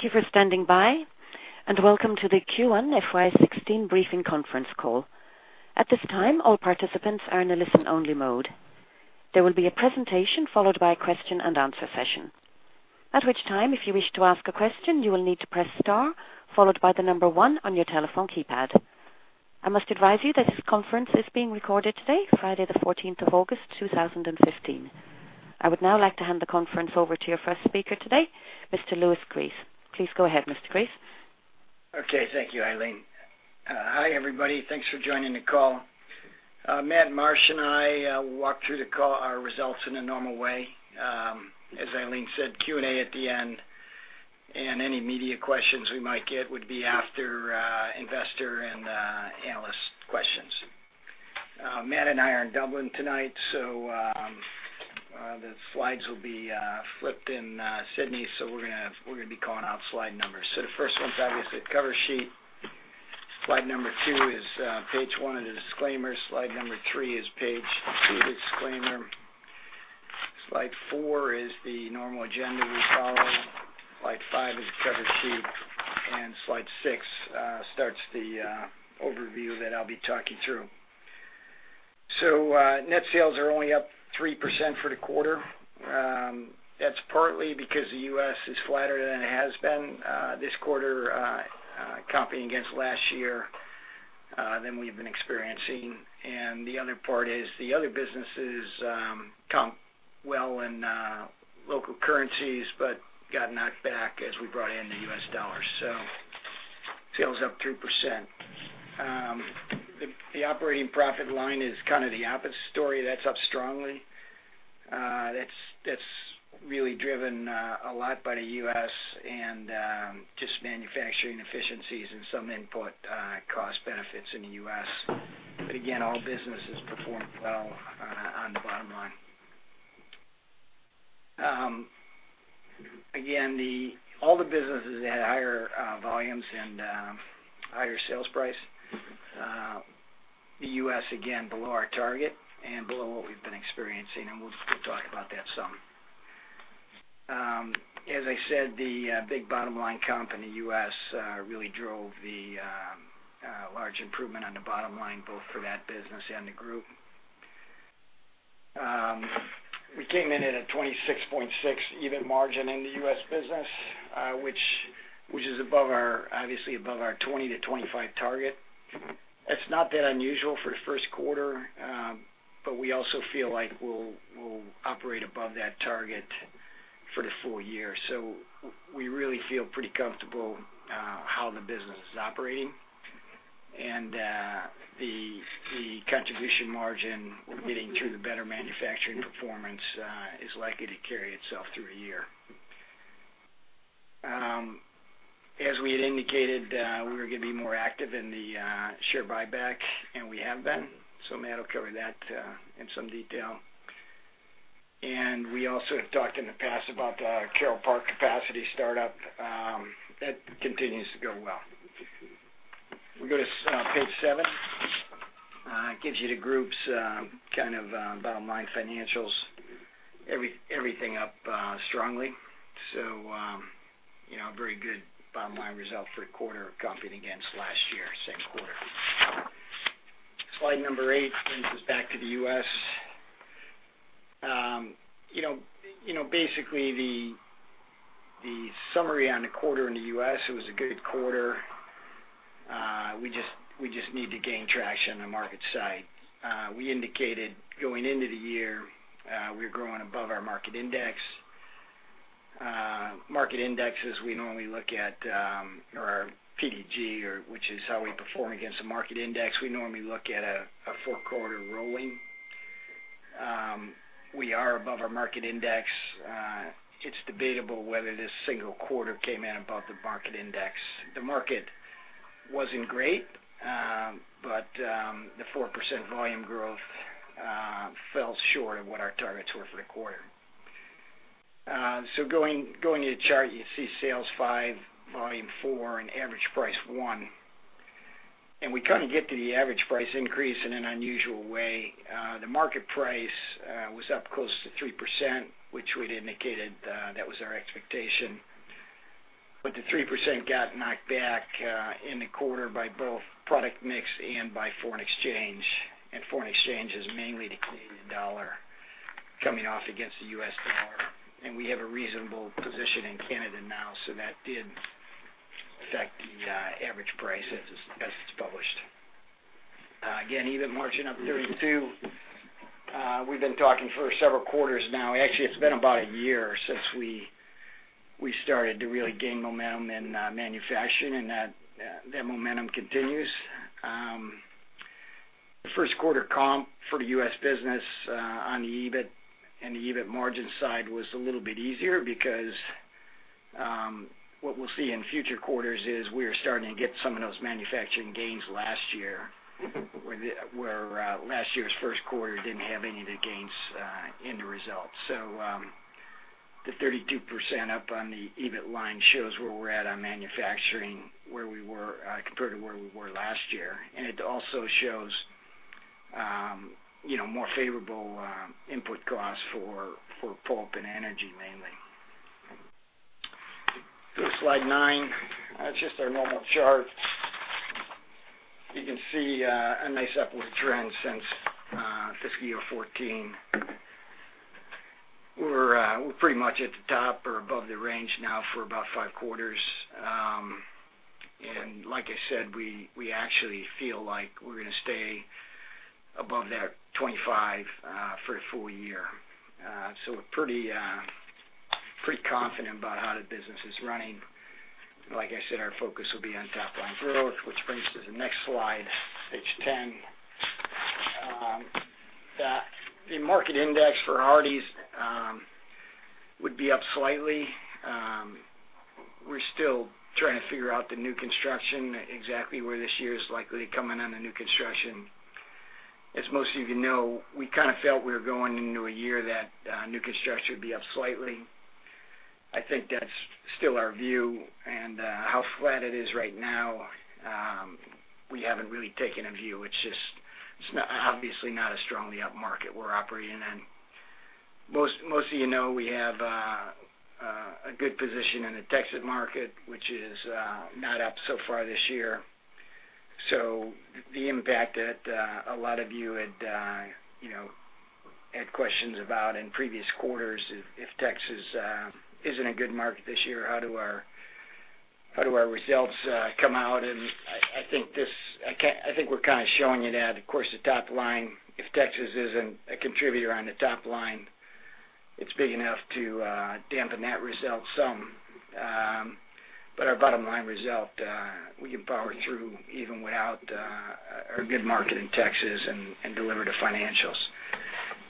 Thank you for standing by, and welcome to the Q1 FY '16 briefing conference call. At this time, all participants are in a listen-only mode. There will be a presentation followed by a question-and-answer session. At which time, if you wish to ask a question, you will need to press star, followed by the number one on your telephone keypad. I must advise you that this conference is being recorded today, Friday, the fourteenth of August, two thousand and fifteen. I would now like to hand the conference over to your first speaker today, Mr. Louis Gries. Please go ahead, Mr. Gries. Okay, thank you, Eileen. Hi, everybody. Thanks for joining the call. Matt Marsh and I will walk through the call, our results in a normal way. As Eileen said, Q&A at the end, and any media questions we might get would be after investor and analyst questions. Matt and I are in Dublin tonight, so the slides will be flipped in Sydney. So we're gonna be calling out slide numbers. So the first one's obviously the cover sheet. Slide number two is page one of the disclaimer. Slide number three is page two disclaimer. Slide four is the normal agenda we follow. Slide five is the cover sheet, and slide six starts the overview that I'll be talking through. So net sales are only up 3% for the quarter. That's partly because the U.S. is flatter than it has been this quarter, competing against last year, than we've been experiencing. And the other part is the other businesses comp well in local currencies, but got knocked back as we brought in the US dollar. So sales up 3%. The operating profit line is kind of the opposite story. That's up strongly. That's really driven a lot by the US and just manufacturing efficiencies and some input cost benefits in the U.S. But again, all businesses performed well on the bottom line. Again, all the businesses had higher volumes and higher sales price. The U.S., again, below our target and below what we've been experiencing, and we'll talk about that some. As I said, the big bottom line comp in the U.S really drove the large improvement on the bottom line, both for that business and the group. We came in at a 26.6% EBIT margin in the U.S. business, which is above our, obviously above our 20%-25% target. It's not that unusual for the first quarter, but we also feel like we'll operate above that target for the full year. So we really feel pretty comfortable how the business is operating, and the contribution margin we're getting through the better manufacturing performance is likely to carry itself through the year. As we had indicated, we were gonna be more active in the share buyback, and we have been. So Matt will cover that in some detail. And we also have talked in the past about the Carole Park capacity startup. That continues to go well. We go to page seven. It gives you the group's kind of bottom line financials. Everything up strongly. So you know, a very good bottom line result for a quarter competing against last year, same quarter. Slide number eight brings us back to the U.S. You know, basically, the summary on the quarter in the U.S., it was a good quarter. We just need to gain traction on the market side. We indicated going into the year, we're growing above our market index. Market index, as we normally look at, or our PDG, or which is how we perform against the market index, we normally look at a four-quarter rolling. We are above our market index. It's debatable whether this single quarter came in above the market index. The market wasn't great, but the 4% volume growth fell short of what our targets were for the quarter. So going to the chart, you see sales five, volume four, and average price one. And we kind of get to the average price increase in an unusual way. The market price was up close to 3%, which we'd indicated that was our expectation. But the 3% got knocked back in the quarter by both product mix and by foreign exchange, and foreign exchange is mainly the Canadian dollar coming off against the US dollar. And we have a reasonable position in Canada now, so that did affect the average price as it's published. Again, EBIT margin up 32. We've been talking for several quarters now. Actually, it's been about a year since we started to really gain momentum in manufacturing, and that momentum continues. The first quarter comp for the U.S. business on the EBIT and the EBIT margin side was a little bit easier because what we'll see in future quarters is we are starting to get some of those manufacturing gains last year, where last year's first quarter didn't have any of the gains in the results. So, the 32% up on the EBIT line shows where we're at on manufacturing, where we were compared to where we were last year. And it also shows you know, more favorable input costs for pulp and energy, mainly. Go to slide nine. That's just our normal chart. You can see a nice upward trend since fiscal year 2014. We're pretty much at the top or above the range now for about five quarters, and like I said, we actually feel like we're gonna stay above that 25 for a full year, so we're pretty confident about how the business is running. Like I said, our focus will be on top-line growth, which brings us to the next slide, page 10. The market index for Hardie's would be up slightly. We're still trying to figure out the new construction, exactly where this year is likely to come in on the new construction. As most of you know, we kind of felt we were going into a year that new construction would be up slightly. I think that's still our view, and how flat it is right now, we haven't really taken a view. It's just obviously not a strongly up market we're operating in. Most of you know we have a good position in the Texas market, which is not up so far this year. So the impact that a lot of you, you know, had questions about in previous quarters, if Texas isn't a good market this year, how do our results come out, and I think we're kind of showing you that. Of course, the top line, if Texas isn't a contributor on the top line, it's big enough to dampen that result some. But our bottom line result, we can power through, even without our good market in Texas and deliver the financials.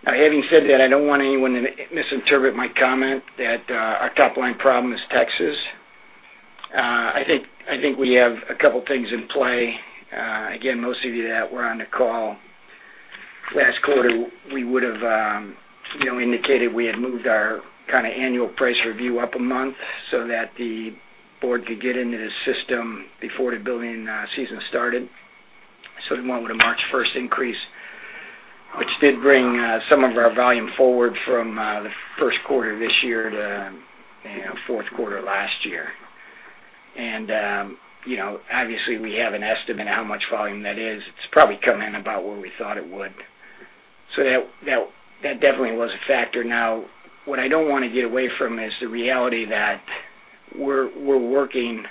Now, having said that, I don't want anyone to misinterpret my comment that our top-line problem is Texas. I think we have a couple things in play. Again, most of you that were on the call last quarter, we would've, you know, indicated we had moved our kind of annual price review up a month so that the board could get into the system before the building season started. So we went with a March first increase, which did bring some of our volume forward from the first quarter this year to, you know, fourth quarter last year. And, you know, obviously, we have an estimate of how much volume that is. It's probably come in about where we thought it would. So that definitely was a factor. Now, what I don't want to get away from is the reality that we're working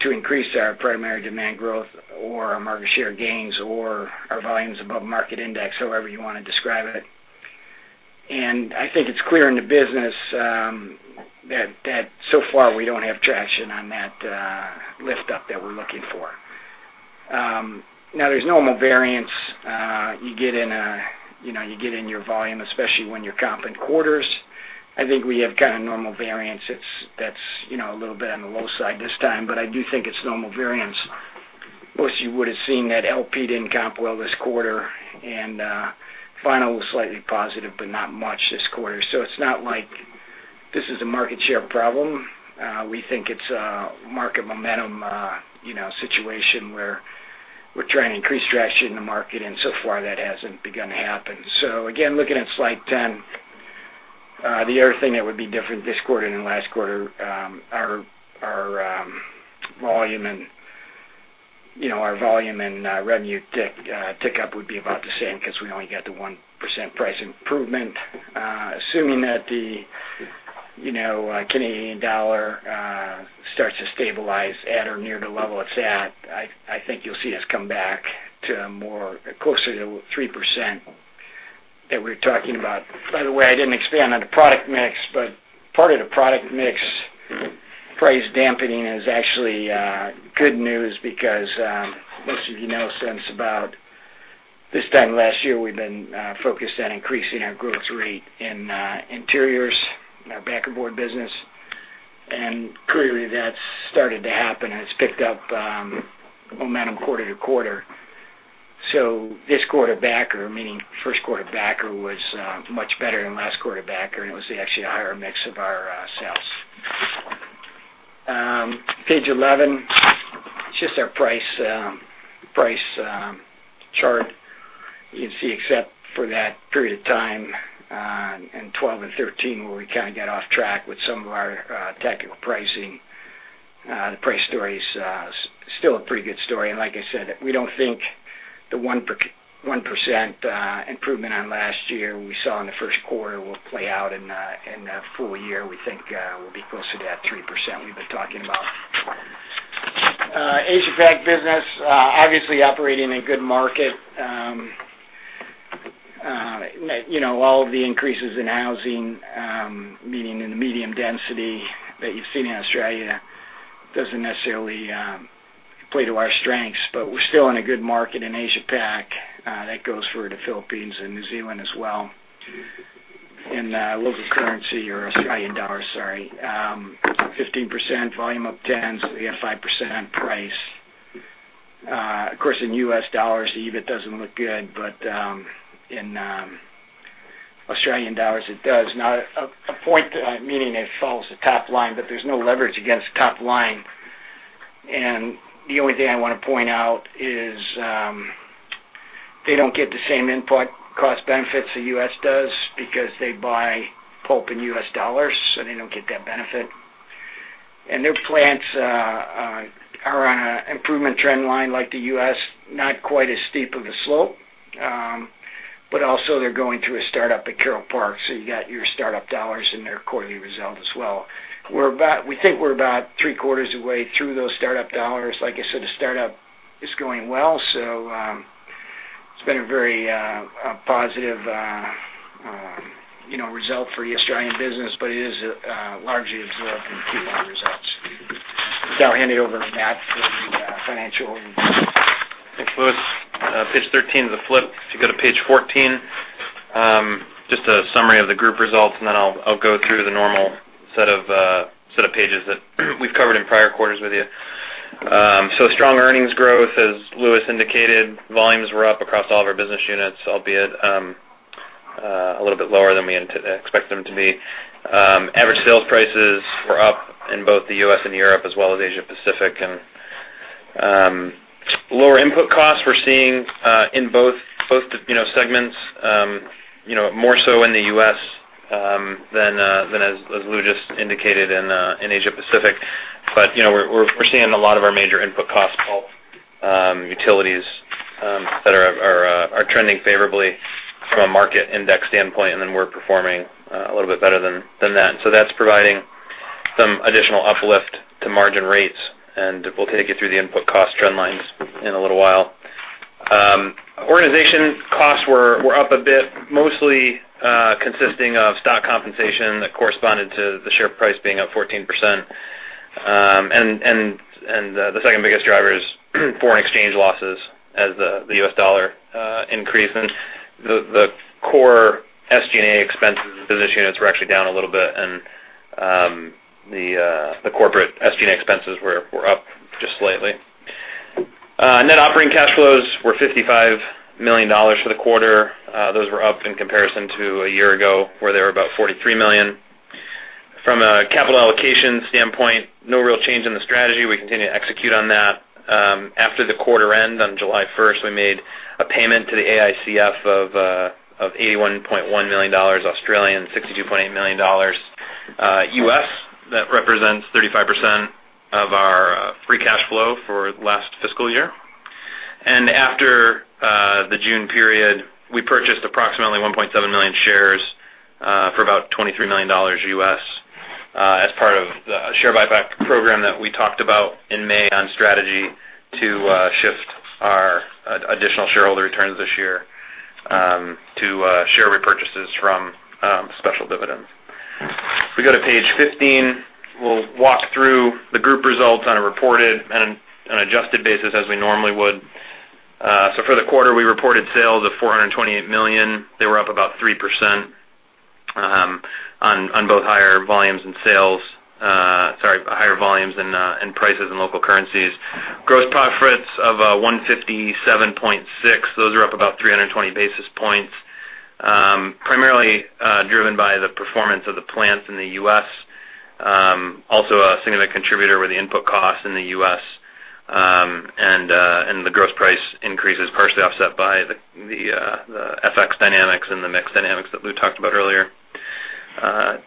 to increase our primary demand growth or our market share gains or our volumes above market index, however you want to describe it. And I think it's clear in the business that so far, we don't have traction on that lift up that we're looking for. Now there's normal variance. You get in your volume, especially when you're comping quarters. I think we have kind of normal variance that's you know, a little bit on the low side this time, but I do think it's normal variance. Most of you would've seen that LP didn't comp well this quarter, and vinyl was slightly positive, but not much this quarter. So it's not like this is a market share problem. We think it's a market momentum, you know, situation where we're trying to increase traction in the market, and so far, that hasn't begun to happen. So again, looking at slide 10, the other thing that would be different this quarter than last quarter, our volume and, you know, revenue tick up would be about the same because we only got the 1% price improvement. Assuming that the, you know, Canadian dollar starts to stabilize at or near the level it's at, I think you'll see us come back to a more, closer to 3% that we're talking about. By the way, I didn't expand on the product mix, but part of the product mix price dampening is actually good news because most of you know, since about this time last year, we've been focused on increasing our growth rate in interiors, in our backer board business. And clearly, that's started to happen, and it's picked up momentum quarter to quarter. So this quarter backer, meaning first quarter backer, was much better than last quarter backer, and it was actually a higher mix of our sales. Page eleven, it's just our price chart. You can see, except for that period of time in 2012 and 2013, where we kind of got off track with some of our tactical pricing, the price story is still a pretty good story. Like I said, we don't think the 1% improvement on last year we saw in the first quarter will play out in a full year. We think we'll be closer to that 3% we've been talking about. Asia Pac business obviously operating in a good market. You know, all of the increases in housing, meaning in the medium density that you've seen in Australia, doesn't necessarily play to our strengths, but we're still in a good market in Asia Pac. That goes for the Philippines and New Zealand as well. In local currency or Australian dollars, sorry, 15%, volume up 10, so we got 5% on price. Of course, in US dollars, EBIT doesn't look good, but in Australian dollars, it does. Now, a point, meaning it follows the top line, but there's no leverage against top line. And the only thing I wanna point out is, they don't get the same input cost benefits the U.S. does because they buy pulp in U.S. dollars, so they don't get that benefit. And their plants are on an improvement trend line like the U.S., not quite as steep of a slope, but also they're going through a startup at Carole Park, so you got your startup dollars in their quarterly result as well. We're about. We think we're about three quarters of the way through those startup dollars. Like I said, the startup is going well, so, it's been a very positive, you know, result for the Australian business, but it is largely absorbed in Q1 results. So I'll hand it over to Matt for the financial. Thanks, Louis. Page thirteen is a flip. If you go to page fourteen, just a summary of the group results, and then I'll go through the normal set of pages that we've covered in prior quarters with you. So strong earnings growth, as Louis indicated, volumes were up across all of our business units, albeit a little bit lower than we expected them to be. Average sales prices were up in both the U.S. and Europe, as well as Asia Pacific. And lower input costs we're seeing in both segments, you know more so in the U.S. than as Lou just indicated in Asia Pacific. But, you know, we're seeing a lot of our major input costs, pulp, utilities, that are trending favorably from a market index standpoint, and then we're performing a little bit better than that. So that's providing some additional uplift to margin rates, and we'll take you through the input cost trend lines in a little while. Organization costs were up a bit, mostly consisting of stock compensation that corresponded to the share price being up 14%. And the second biggest driver is foreign exchange losses as the U.S. dollar increase. And the core SG&A expenses of the business units were actually down a little bit, and the corporate SG&A expenses were up just slightly. Net operating cash flows were $55 million for the quarter. Those were up in comparison to a year ago, where they were about 43 million. From a capital allocation standpoint, no real change in the strategy. We continue to execute on that. After the quarter end, on July first, we made a payment to the AICF of 81.1 million Australian dollars, $62.8 million. That represents 35% of our free cash flow for last fiscal year. And after the June period, we purchased approximately 1.7 million shares for about $23 million as part of the share buyback program that we talked about in May on strategy to shift our additional shareholder returns this year to share repurchases from special dividends. If we go to page 15, we'll walk through the group results on a reported and an adjusted basis, as we normally would. For the quarter, we reported sales of 428 million. They were up about 3%, on both higher volumes and prices in local currencies. Gross profits of 157.6 million. Those are up about 320 basis points, primarily driven by the performance of the plants in the U.S. Also a significant contributor were the input costs in the U.S., and the gross price increases, partially offset by the FX dynamics and the mix dynamics that Lou talked about earlier.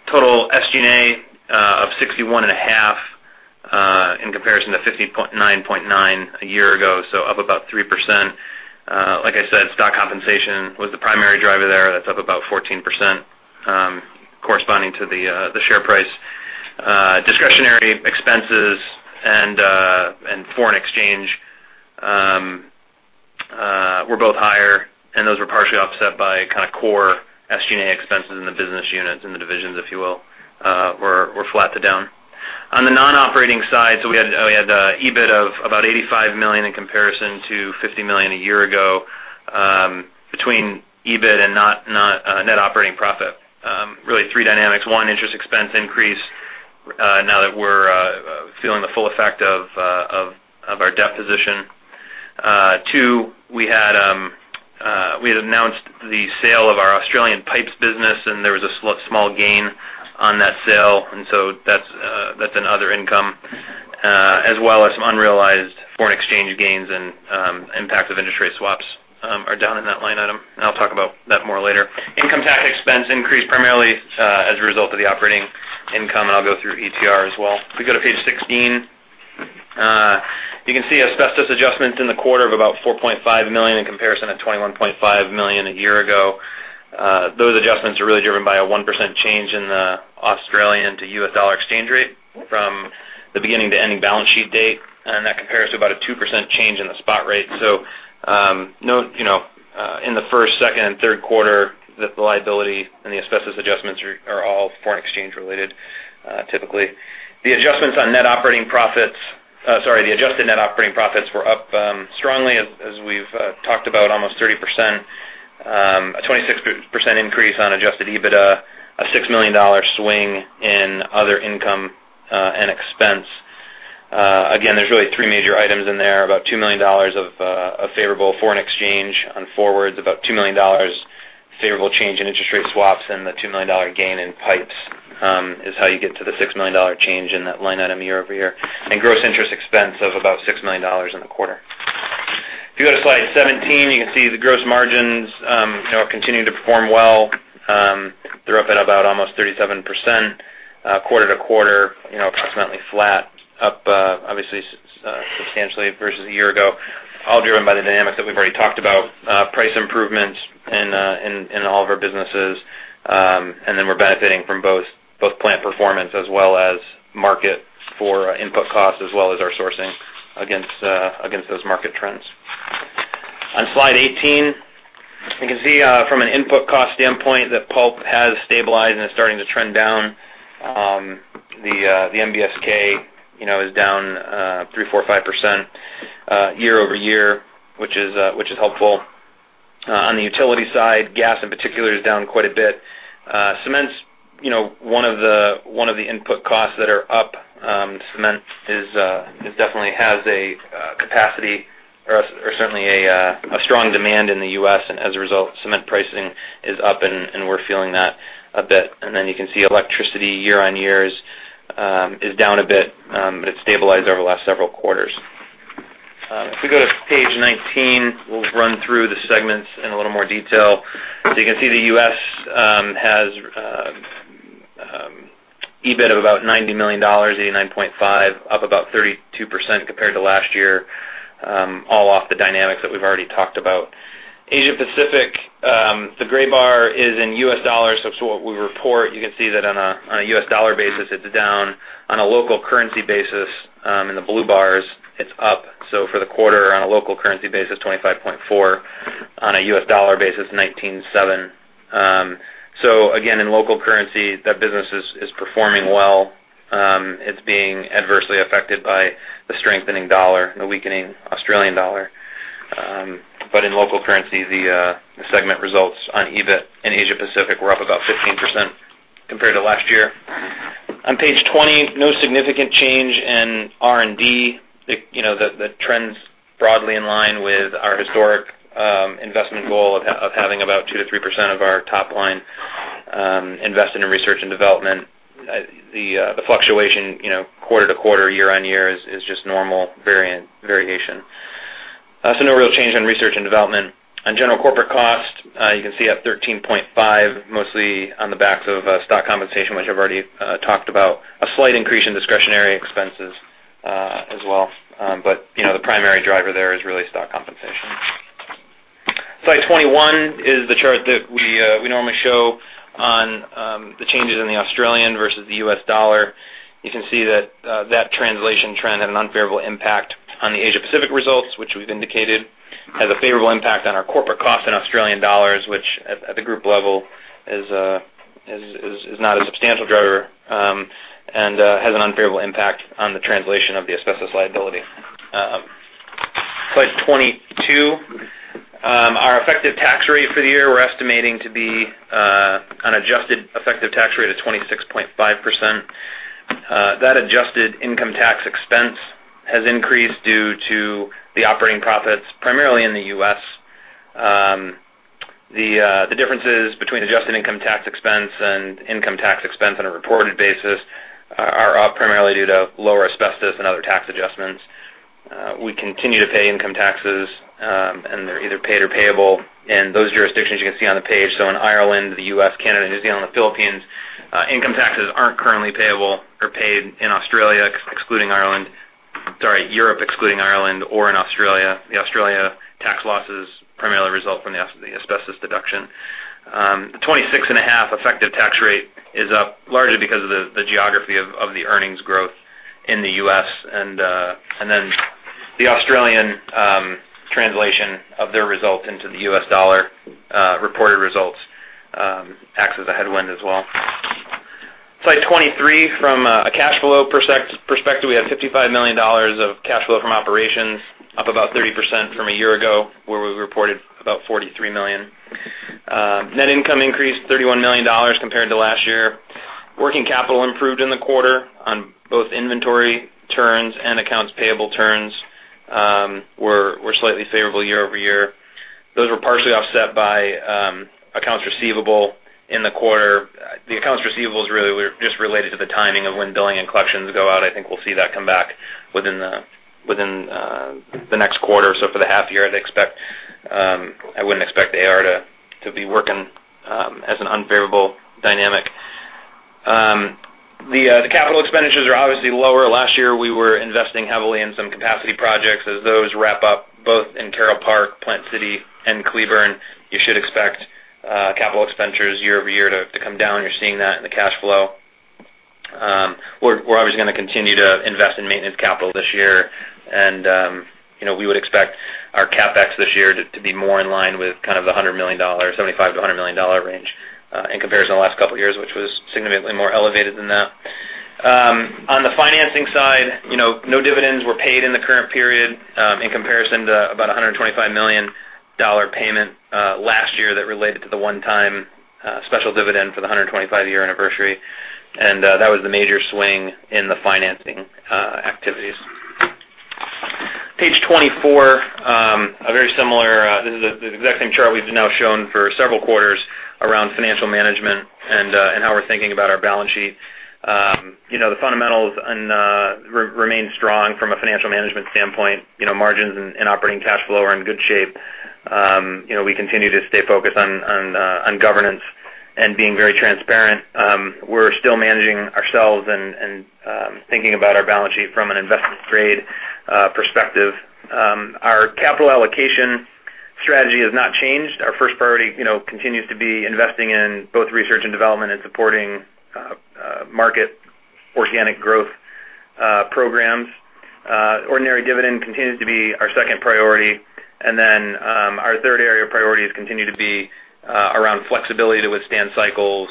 Total SG&A of 61.5 in comparison to 50.99 a year ago, so up about 3%. Like I said, stock compensation was the primary driver there. That's up about 14%, corresponding to the share price. Discretionary expenses and foreign exchange were both higher, and those were partially offset by kind of core SG&A expenses in the business units, in the divisions, if you will, were flat to down. On the non-operating side, so we had EBIT of about 85 million in comparison to 50 million a year ago, between EBIT and net operating profit. Really three dynamics. One, interest expense increase, now that we're feeling the full effect of our debt position. Two, we had announced the sale of our Australian Pipes business, and there was a small gain on that sale, and so that's in other income, as well as some unrealized foreign exchange gains and impact of interest rate swaps, are down in that line item, and I'll talk about that more later. Income tax expense increased primarily as a result of the operating income, and I'll go through ETR as well. If we go to page 16, you can see asbestos adjustments in the quarter of about 4.5 million in comparison to 21.5 million a year ago. Those adjustments are really driven by a 1% change in the Australian to U.S. dollar exchange rate from the beginning to end balance sheet date, and that compares to about a 2% change in the spot rate. So, note, you know, in the first, second, and third quarter, that the liability and the asbestos adjustments are all foreign exchange related, typically. The adjustments on net operating profits, sorry, the adjusted net operating profits were up strongly, as we've talked about, almost 30%, a 26% increase on adjusted EBITDA, a 6 million dollar swing in other income and expense. Again, there's really three major items in there. About 2 million dollars of a favorable foreign exchange on forwards, about 2 million dollars favorable change in interest rate swaps, and the 2 million dollar gain in pipes, is how you get to the 6 million dollar change in that line item year-over-year, and gross interest expense of about 6 million dollars in the quarter. If you go to slide 17, you can see the gross margins, you know, are continuing to perform well. They're up at about almost 37%, quarter-to-quarter, you know, approximately flat, up, obviously, substantially versus a year ago, all driven by the dynamics that we've already talked about. Price improvements in all of our businesses, and then we're benefiting from both plant performance as well as market for input costs, as well as our sourcing against those market trends. On Slide 18, you can see from an input cost standpoint, that pulp has stabilized and is starting to trend down. The NBSK, you know, is down 3%-5%, year-over-year, which is helpful. On the utility side, gas, in particular, is down quite a bit. Cement's, you know, one of the input costs that are up. Cement is, it definitely has a capacity or certainly a strong demand in the U.S., and as a result, cement pricing is up, and we're feeling that a bit. Then you can see electricity year on years is down a bit, but it's stabilized over the last several quarters. If we go to page 19, we'll run through the segments in a little more detail. You can see the U.S. has EBIT of about $90 million, $89.5 million, up about 32% compared to last year, all of the dynamics that we've already talked about. Asia Pacific, the gray bar is in U.S. dollars, so it's what we report. You can see that on a U.S. dollar basis, it's down. On a local currency basis, in the blue bars, it's up. For the quarter, on a local currency basis, 25.4 million, on a U.S. dollar basis, $19.7 million. Again, in local currency, that business is performing well. It's being adversely affected by the strengthening dollar and the weakening Australian dollar. But in local currency, the segment results on EBIT in Asia Pacific were up about 15% compared to last year. On page 20, no significant change in R&D. You know, the trends broadly in line with our historic investment goal of having about 2%-3% of our top line invested in research and development. The fluctuation, you know, quarter to quarter, year on year is just normal variation. So no real change in research and development. On general corporate cost, you can see up 13.5%, mostly on the backs of stock compensation, which I've already talked about. A slight increase in discretionary expenses as well. But, you know, the primary driver there is really stock compensation. Slide 21 is the chart that we normally show on the changes in the Australian versus the U.S. dollar. You can see that that translation trend had an unfavorable impact on the Asia Pacific results, which we've indicated has a favorable impact on our corporate costs in Australian dollars, which at the group level is not a substantial driver, and has an unfavorable impact on the translation of the asbestos liability. Slide 22, our effective tax rate for the year, we're estimating to be an adjusted effective tax rate of 26.5%. That adjusted income tax expense has increased due to the operating profits, primarily in the U.S. The differences between adjusted income tax expense and income tax expense on a reported basis are up primarily due to lower asbestos and other tax adjustments. We continue to pay income taxes, and they're either paid or payable, and those jurisdictions you can see on the page. So in Ireland, the U.S., Canada, New Zealand, the Philippines, income taxes aren't currently payable or paid in Europe, excluding Ireland, or in Australia. The Australian tax losses primarily result from the asbestos deduction. The 26.5% effective tax rate is up, largely because of the geography of the earnings growth in the U.S., and then the Australian translation of their results into the U.S. dollar reported results acts as a headwind as well. Slide 23. From a cash flow perspective, we have $55 million of cash flow from operations, up about 30% from a year ago, where we reported about $43 million. Net income increased $31 million compared to last year. Working capital improved in the quarter on both inventory turns, and accounts payable turns were slightly favorable year-over-year. Those were partially offset by accounts receivable in the quarter. The accounts receivable is really just related to the timing of when billing and collections go out. I think we'll see that come back within the next quarter. So for the half year, I'd expect I wouldn't expect the AR to be working as an unfavorable dynamic. The capital expenditures are obviously lower. Last year, we were investing heavily in some capacity projects. As those wrap up, both in Carole Park, Plant City, and Cleburne, you should expect capital expenditures year-over-year to come down. You're seeing that in the cash flow. We're obviously gonna continue to invest in maintenance capital this year, and you know, we would expect our CapEx this year to be more in line with kind of the 100 million dollar, AUD 75 million-AUD 100 million range, in comparison to the last couple of years, which was significantly more elevated than that. On the financing side, you know, no dividends were paid in the current period, in comparison to about a 125 million dollar payment last year that related to the one-time special dividend for the 125-year anniversary, and that was the major swing in the financing activities. Page 24, a very similar, this is the exact same chart we've now shown for several quarters around financial management and how we're thinking about our balance sheet. You know, the fundamentals and remain strong from a financial management standpoint. You know, margins and operating cash flow are in good shape. You know, we continue to stay focused on governance and being very transparent. We're still managing ourselves and thinking about our balance sheet from an investment grade perspective. Our capital allocation strategy has not changed. Our first priority, you know, continues to be investing in both research and development and supporting market organic growth programs. Ordinary dividend continues to be our second priority, and then, our third area of priorities continue to be around flexibility to withstand cycles,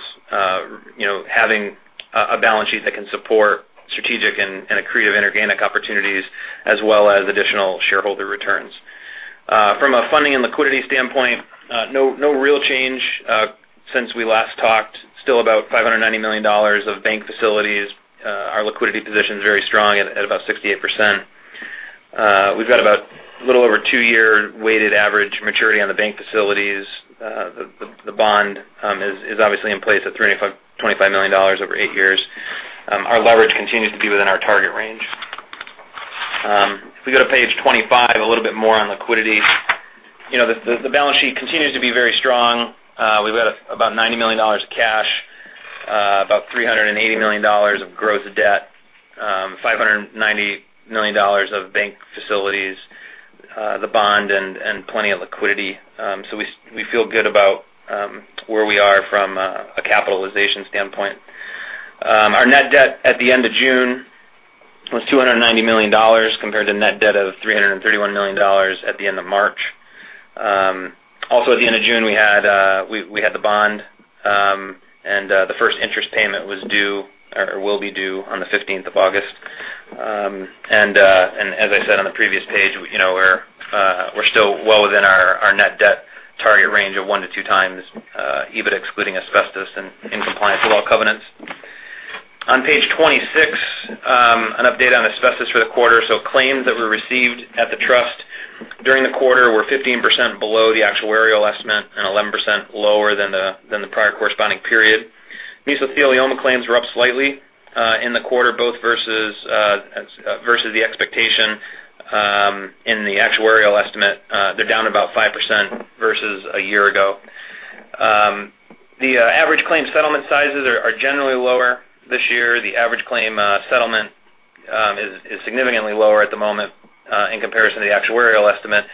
you know, having a balance sheet that can support strategic and accretive inorganic opportunities, as well as additional shareholder returns. From a funding and liquidity standpoint, no real change since we last talked. Still about 590 million dollars of bank facilities. Our liquidity position is very strong at about 68%. We've got about a little over 2-year weighted average maturity on the bank facilities. The bond is obviously in place at 325 million dollars over eight years. Our leverage continues to be within our target range. If we go to page 25, a little bit more on liquidity. You know, the balance sheet continues to be very strong. We've got about 90 million dollars of cash, about 380 million dollars of gross debt, 590 million dollars of bank facilities, the bond and plenty of liquidity. So we feel good about where we are from a capitalization standpoint. Our net debt at the end of June was 290 million dollars compared to net debt of 331 million dollars at the end of March. Also, at the end of June, we had the bond and the first interest payment was due, or will be due on the 15th of August. And as I said on the previous page, you know, we're still well within our net debt target range of one to two times EBITDA excluding asbestos and in compliance with all covenants. On page 26, an update on asbestos for the quarter. So claims that were received at the trust during the quarter were 15% below the actuarial estimate and 11% lower than the prior corresponding period. Mesothelioma claims were up slightly in the quarter, both versus the expectation. In the actuarial estimate, they're down about 5% versus a year ago. The average claim settlement sizes are generally lower this year. The average claim settlement is significantly lower at the moment in comparison to the actuarial estimate.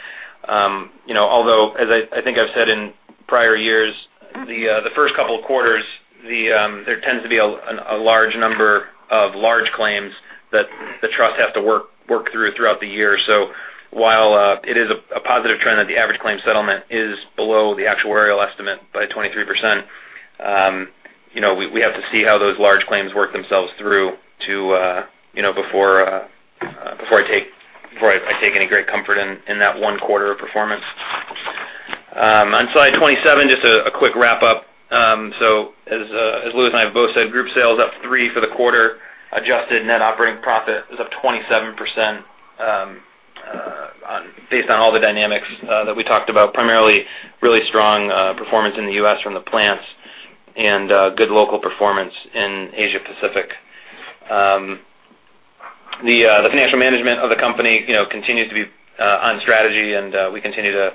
You know, although as I think I've said in prior years, the first couple of quarters there tends to be a large number of large claims that the trust have to work through throughout the year. So while it is a positive trend that the average claim settlement is below the actuarial estimate by 23%, you know, we have to see how those large claims work themselves through before I take any great comfort in that one quarter of performance. On slide 27, just a quick wrap up, so as Louis and I have both said, group sales up 3% for the quarter. Adjusted net operating profit is up 27% based on all the dynamics that we talked about, primarily really strong performance in the US from the plants and good local performance in Asia Pacific. The financial management of the company, you know, continues to be on strategy, and we continue to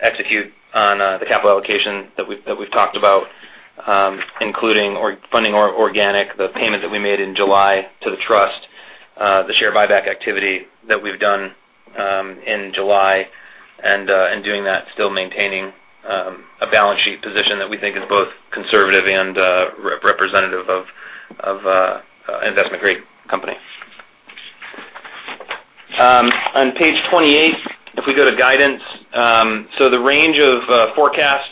execute on the capital allocation that we've talked about, including funding our organic, the payment that we made in July to the trust, the share buyback activity that we've done in July, and in doing that, still maintaining a balance sheet position that we think is both conservative and representative of an investment grade company. On page 28, if we go to guidance, so the range of forecasts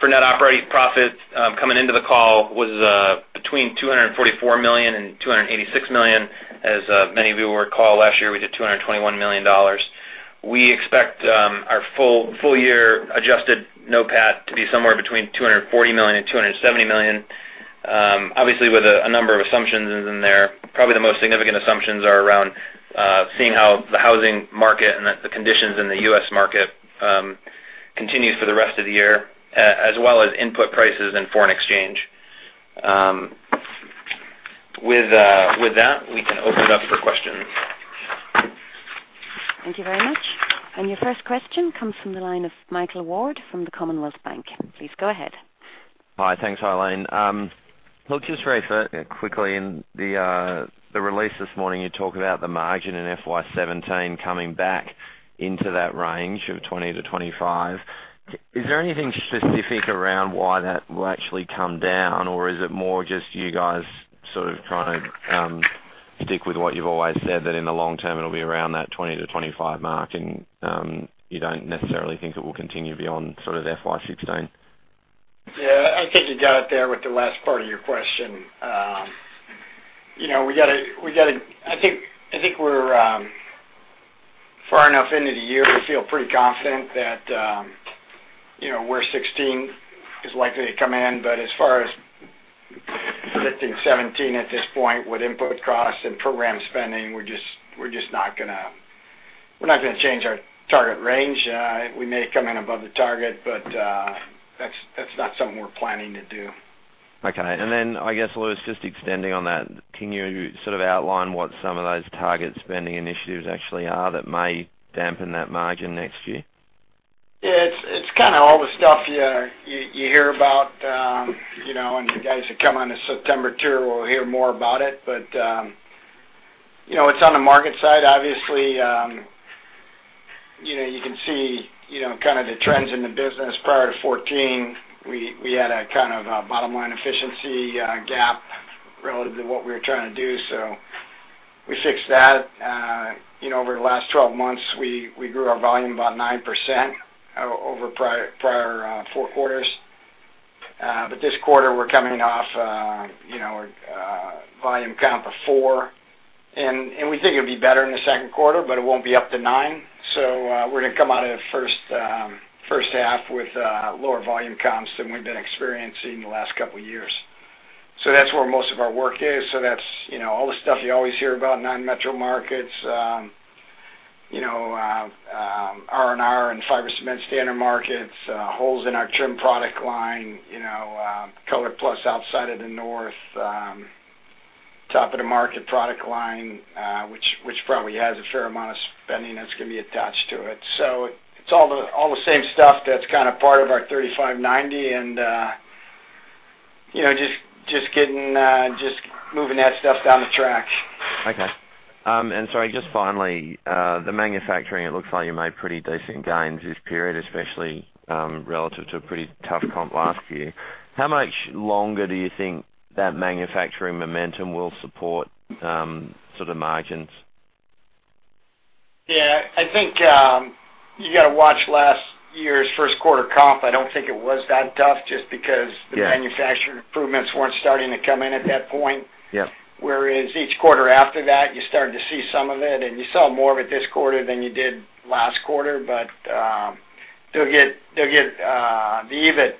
for net operating profit, coming into the call was between 244 million and 286 million. As many of you will recall, last year, we did 221 million dollars. We expect our full year adjusted NOPAT to be somewhere between 240 million and $270 million. Obviously, with a number of assumptions in there, probably the most significant assumptions are around seeing how the housing market and the conditions in the U.S. market continues for the rest of the year, as well as input prices and foreign exchange. With that, we can open it up for questions. Thank you very much. Your first question comes from the line of Michael Ward from the Commonwealth Bank. Please go ahead. Hi. Thanks, Eileen. Look, just very quickly, in the release this morning, you talked about the margin in FY 2017 coming back into that range of 20%-25%. Is there anything specific around why that will actually come down, or is it more just you guys sort of trying to stick with what you've always said, that in the long term, it'll be around that 20%-25% mark, and you don't necessarily think it will continue beyond sort of FY 2016? Yeah, I think you got it there with the last part of your question. ... You know, we got to. I think we're far enough into the year to feel pretty confident that you know, where 2016 is likely to come in. But as far as 2015, 2017 at this point, with input costs and program spending, we're just not gonna change our target range. We may come in above the target, but that's not something we're planning to do. Okay. And then I guess, Louis, just extending on that, can you sort of outline what some of those target spending initiatives actually are that may dampen that margin next year? Yeah, it's kind of all the stuff you hear about, you know, and you guys that come on the September tour will hear more about it. But you know, it's on the market side, obviously. You know, you can see, you know, kind of the trends in the business. Prior to 2014, we had a kind of a bottom-line efficiency gap relative to what we were trying to do, so we fixed that. You know, over the last twelve months, we grew our volume about 9% over prior four quarters. But this quarter, we're coming off, you know, volume count of 4%, and we think it'll be better in the second quarter, but it won't be up to 9%. We're gonna come out of the first half with lower volume comps than we've been experiencing in the last couple of years. So that's where most of our work is. So that's, you know, all the stuff you always hear about, non-metro markets, you know, R&R and fiber cement standard markets, holes in our trim product line, you know, ColorPlus outside of the north, top-of-the-market product line, which probably has a fair amount of spending that's gonna be attached to it. So it's all the same stuff that's kind of part of our 35-90 and, you know, just getting moving that stuff down the track. Okay. And sorry, just finally, the manufacturing, it looks like you made pretty decent gains this period, especially, relative to a pretty tough comp last year. How much longer do you think that manufacturing momentum will support, sort of margins? Yeah, I think, you got to watch last year's first quarter comp. I don't think it was that tough, just because- Yeah. The manufacturing improvements weren't starting to come in at that point. Yeah. Whereas each quarter after that, you started to see some of it, and you saw more of it this quarter than you did last quarter. But the EBIT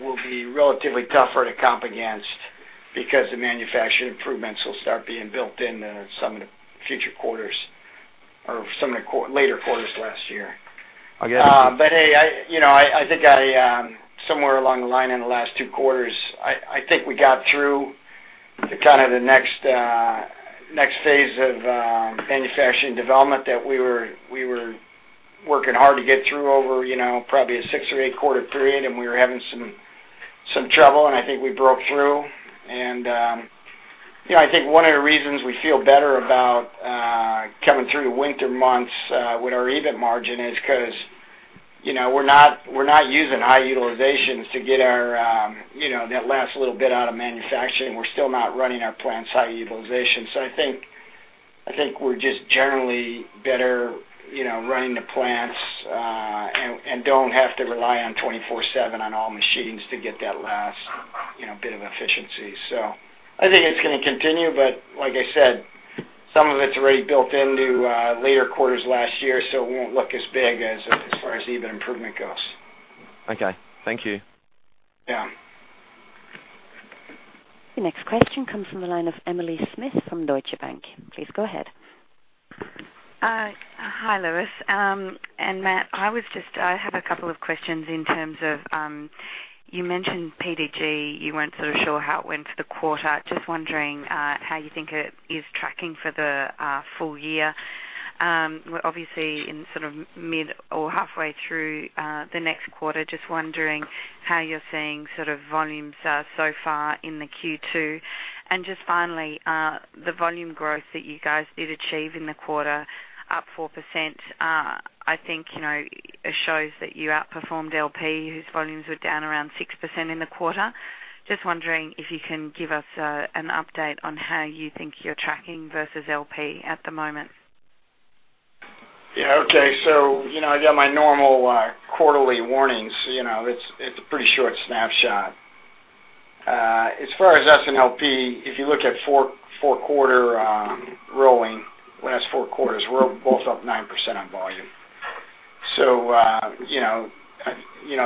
will be relatively tougher to comp against because the manufacturing improvements will start being built into some of the future quarters or some of the later quarters last year. I got it. But, hey, you know, I think somewhere along the line in the last two quarters, I think we got through the kind of the next phase of manufacturing development that we were working hard to get through over, you know, probably a six- or eight-quarter period, and we were having some trouble, and I think we broke through. And, you know, I think one of the reasons we feel better about coming through the winter months with our EBIT margin is 'cause, you know, we're not using high utilizations to get our, you know, that last little bit out of manufacturing. We're still not running our plants high utilization. So I think, I think we're just generally better, you know, running the plants, and don't have to rely on twenty-four/seven on all machines to get that last, you know, bit of efficiency. So I think it's gonna continue, but like I said, some of it's already built into, later quarters last year, so it won't look as big as, far as EBIT improvement goes. Okay. Thank you. Yeah. The next question comes from the line of Emily Smith from Deutsche Bank. Please go ahead. Hi, Louis, and Matt, I have a couple of questions in terms of, you mentioned PDG. You weren't sort of sure how it went for the quarter. Just wondering, how you think it is tracking for the, full year? We're obviously in sort of mid or halfway through, the next quarter. Just wondering how you're seeing sort of volumes, so far in the Q2. And just finally, the volume growth that you guys did achieve in the quarter, up 4%, I think, you know, it shows that you outperformed LP, whose volumes were down around 6% in the quarter. Just wondering if you can give us, an update on how you think you're tracking versus LP at the moment. Yeah. Okay. So, you know, I got my normal quarterly warnings. You know, it's a pretty short snapshot. As far as us and LP, if you look at four-quarter rolling, the last four quarters, we're both up 9% on volume. So, you know,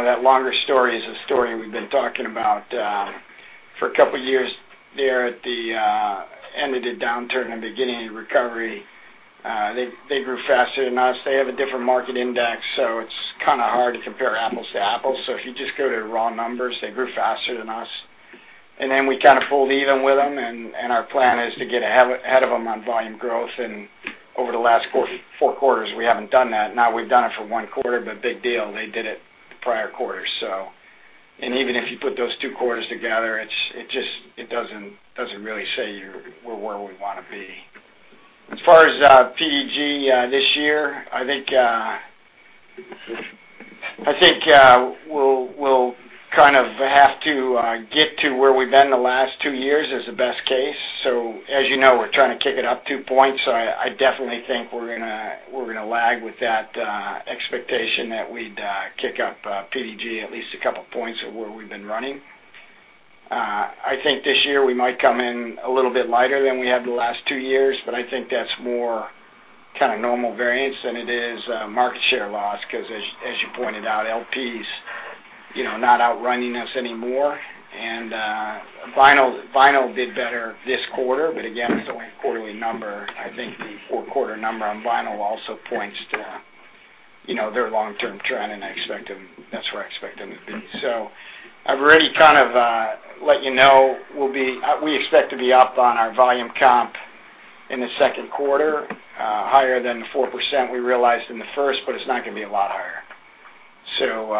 that longer story is a story we've been talking about for a couple of years there at the end of the downturn and beginning of recovery. They grew faster than us. They have a different market index, so it's kind of hard to compare apples to apples. So if you just go to raw numbers, they grew faster than us. And then we kind of pulled even with them, and our plan is to get ahead of them on volume growth. And over the last quarter, four quarters, we haven't done that. Now, we've done it for one quarter, but big deal, they did it the prior quarter. And even if you put those two quarters together, it's, it just, it doesn't really say we're where we want to be. As far as PDG this year, I think we'll kind of have to get to where we've been the last two years as the best case. So as you know, we're trying to kick it up two points. So I definitely think we're gonna lag with that expectation that we'd kick up PDG at least a couple points of where we've been running. I think this year we might come in a little bit lighter than we have the last two years, but I think that's more kind of normal variance than it is market share loss, 'cause as you pointed out, LP's, you know, not outrunning us anymore. And vinyl did better this quarter, but again, it's only a quarterly number. I think the four quarter number on vinyl also points to, you know, their long-term trend, and I expect them. That's where I expect them to be. So I've already kind of let you know, we'll be. We expect to be up on our volume comp in the second quarter, higher than the 4% we realized in the first, but it's not gonna be a lot higher. So,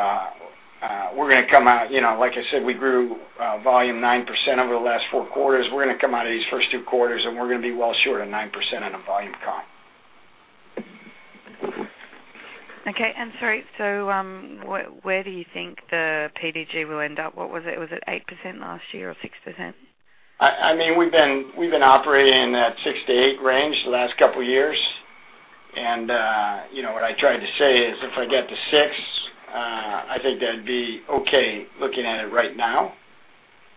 we're gonna come out, you know, like I said, we grew volume 9% over the last four quarters. We're gonna come out of these first two quarters, and we're gonna be well short of 9% on a volume comp. Okay, and sorry, so where do you think the PDG will end up? What was it? Was it 8% last year, or 6%? I mean, we've been operating in that six to eight range the last couple of years. You know, what I tried to say is, if I get to six, I think that'd be okay, looking at it right now.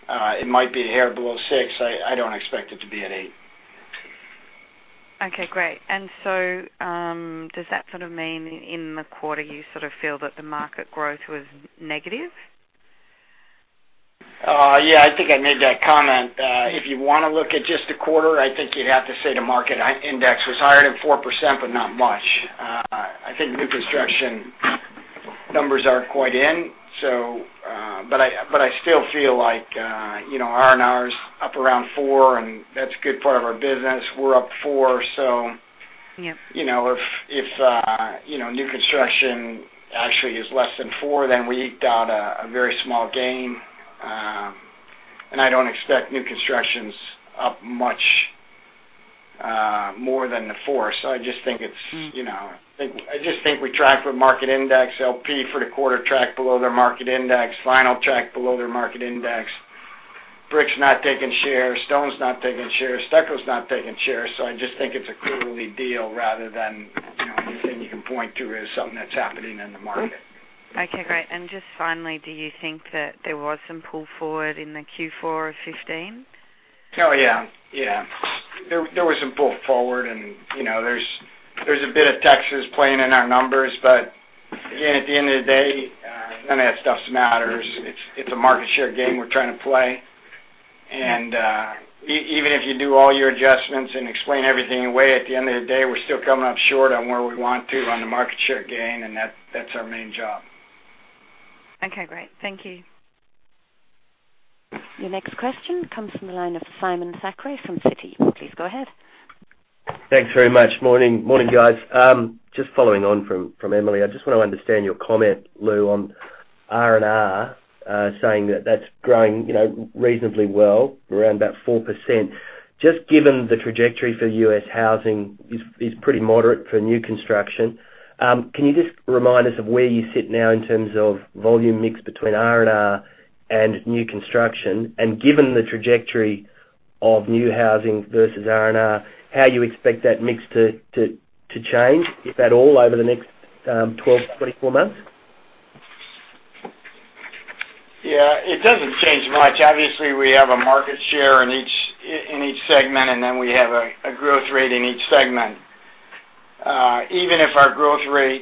It might be a hair below six. I don't expect it to be at eight. Okay, great. And so, does that sort of mean in the quarter, you sort of feel that the market growth was negative? Yeah, I think I made that comment. If you wanna look at just a quarter, I think you'd have to say the market index was higher than 4%, but not much. I think new construction numbers aren't quite in, so, but I still feel like, you know, R&R is up around 4%, and that's a good part of our business. We're up 4%, so- Yeah. You know, if you know, new construction actually is less than four, then we got a very small gain. I don't expect new construction's up much more than the four. So I just think it's, you know. I just think we track with market index. LP for the quarter tracked below their market index. Vinyl tracked below their market index. Brick's not taking share, stone's not taking share, stucco's not taking share. So I just think it's a quarterly deal rather than, you know, anything you can point to as something that's happening in the market. Okay, great, and just finally, do you think that there was some pull forward in the Q4 of 2015? Oh, yeah. Yeah. There was some pull forward, and, you know, there's a bit of textures playing in our numbers. But again, at the end of the day, none of that stuff matters. It's a market share game we're trying to play. And even if you do all your adjustments and explain everything away, at the end of the day, we're still coming up short on where we want to on the market share gain, and that's our main job. Okay, great. Thank you. Your next question comes from the line of Simon Thackray from Citi. Please go ahead. Thanks very much. Morning, morning, guys. Just following on from Emily. I just want to understand your comment, Lou, on R&R, saying that that's growing, you know, reasonably well, around about 4%. Just given the trajectory for US housing is pretty moderate for new construction, can you just remind us of where you sit now in terms of volume mix between R&R and new construction? And given the trajectory of new housing versus R&R, how you expect that mix to change, if at all, over the next 12, 24 months? Yeah, it doesn't change much. Obviously, we have a market share in each, in each segment, and then we have a growth rate in each segment. Even if our growth rate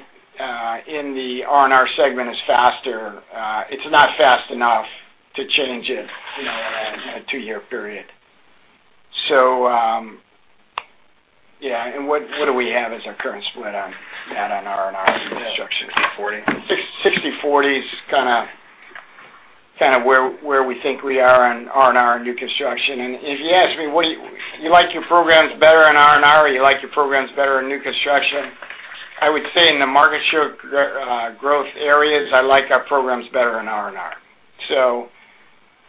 in the R&R segment is faster, it's not fast enough to change it, you know, in a two-year period. So, yeah, and what do we have as our current split on, Matt, on R&R and new construction? Sixty/forty. Sixty/forty is kinda where we think we are on R&R and new construction. And if you ask me, what do you like your programs better in R&R, or you like your programs better in new construction? I would say in the market share growth areas, I like our programs better in R&R. So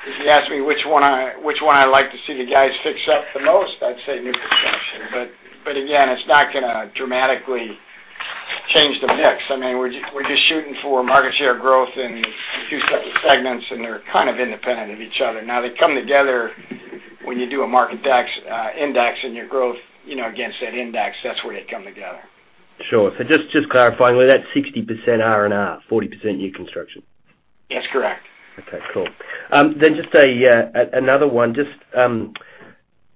if you ask me which one I like to see the guys fix up the most, I'd say new construction. But again, it's not gonna dramatically change the mix. I mean, we're just shooting for market share growth in two separate segments, and they're kind of independent of each other. Now, they come together when you do a market task index and your growth, you know, against that index, that's where they come together. Sure. So just clarifying, was that 60% R&R, 40% new construction? That's correct. Okay, cool. Then just another one. Just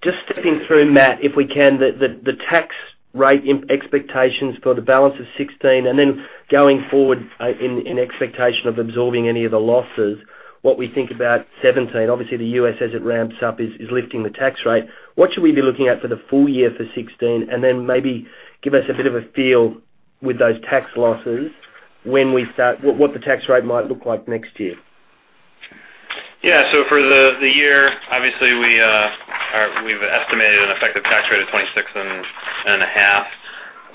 thinking through, Matt, if we can, the tax rate expectations for the balance of 2016, and then going forward, in expectation of absorbing any of the losses, what we think about 2017. Obviously, the US, as it ramps up, is lifting the tax rate. What should we be looking at for the full year for 2016? And then maybe give us a bit of a feel with those tax losses when we start what the tax rate might look like next year. Yeah. So for the year, obviously, we've estimated an effective tax rate of 26.5%.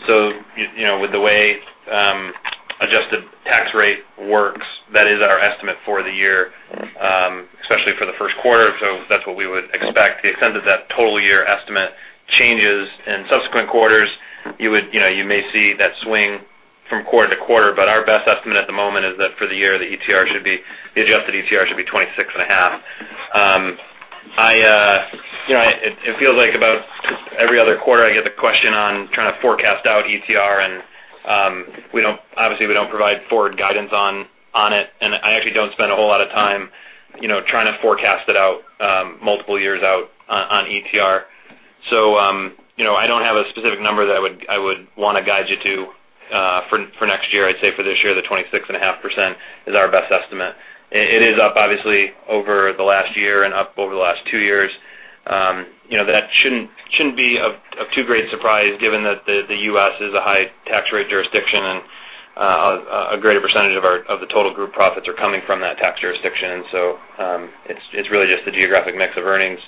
So, you know, with the way adjusted tax rate works, that is our estimate for the year, especially for the first quarter. So that's what we would expect. To the extent that total year estimate changes in subsequent quarters, you would, you know, you may see that swing from quarter to quarter. But our best estimate at the moment is that for the year, the ETR should be, the adjusted ETR should be 26.5%. You know, it feels like about every other quarter, I get the question on trying to forecast out ETR, and we obviously don't provide forward guidance on it. And I actually don't spend a whole lot of time, you know, trying to forecast it out multiple years out on ETR. So, you know, I don't have a specific number that I would wanna guide you to for next year. I'd say for this year, the 26.5% is our best estimate. It is up, obviously, over the last year and up over the last two years. You know, that shouldn't be of too great surprise, given that the U.S. is a high tax rate jurisdiction, and a greater percentage of the total group profits are coming from that tax jurisdiction. So, it's really just the geographic mix of earnings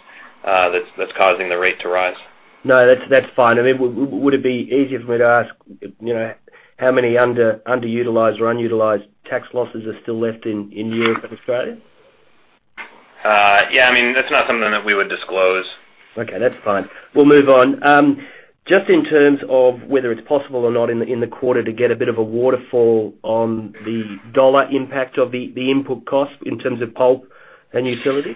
that's causing the rate to rise. No, that's fine. I mean, would it be easier for me to ask, you know, how many underutilized or unutilized tax losses are still left in Europe and Australia? Yeah, I mean, that's not something that we would disclose. Okay, that's fine. We'll move on. Just in terms of whether it's possible or not in the quarter, to get a bit of a waterfall on the dollar impact of the input cost in terms of pulp and utility?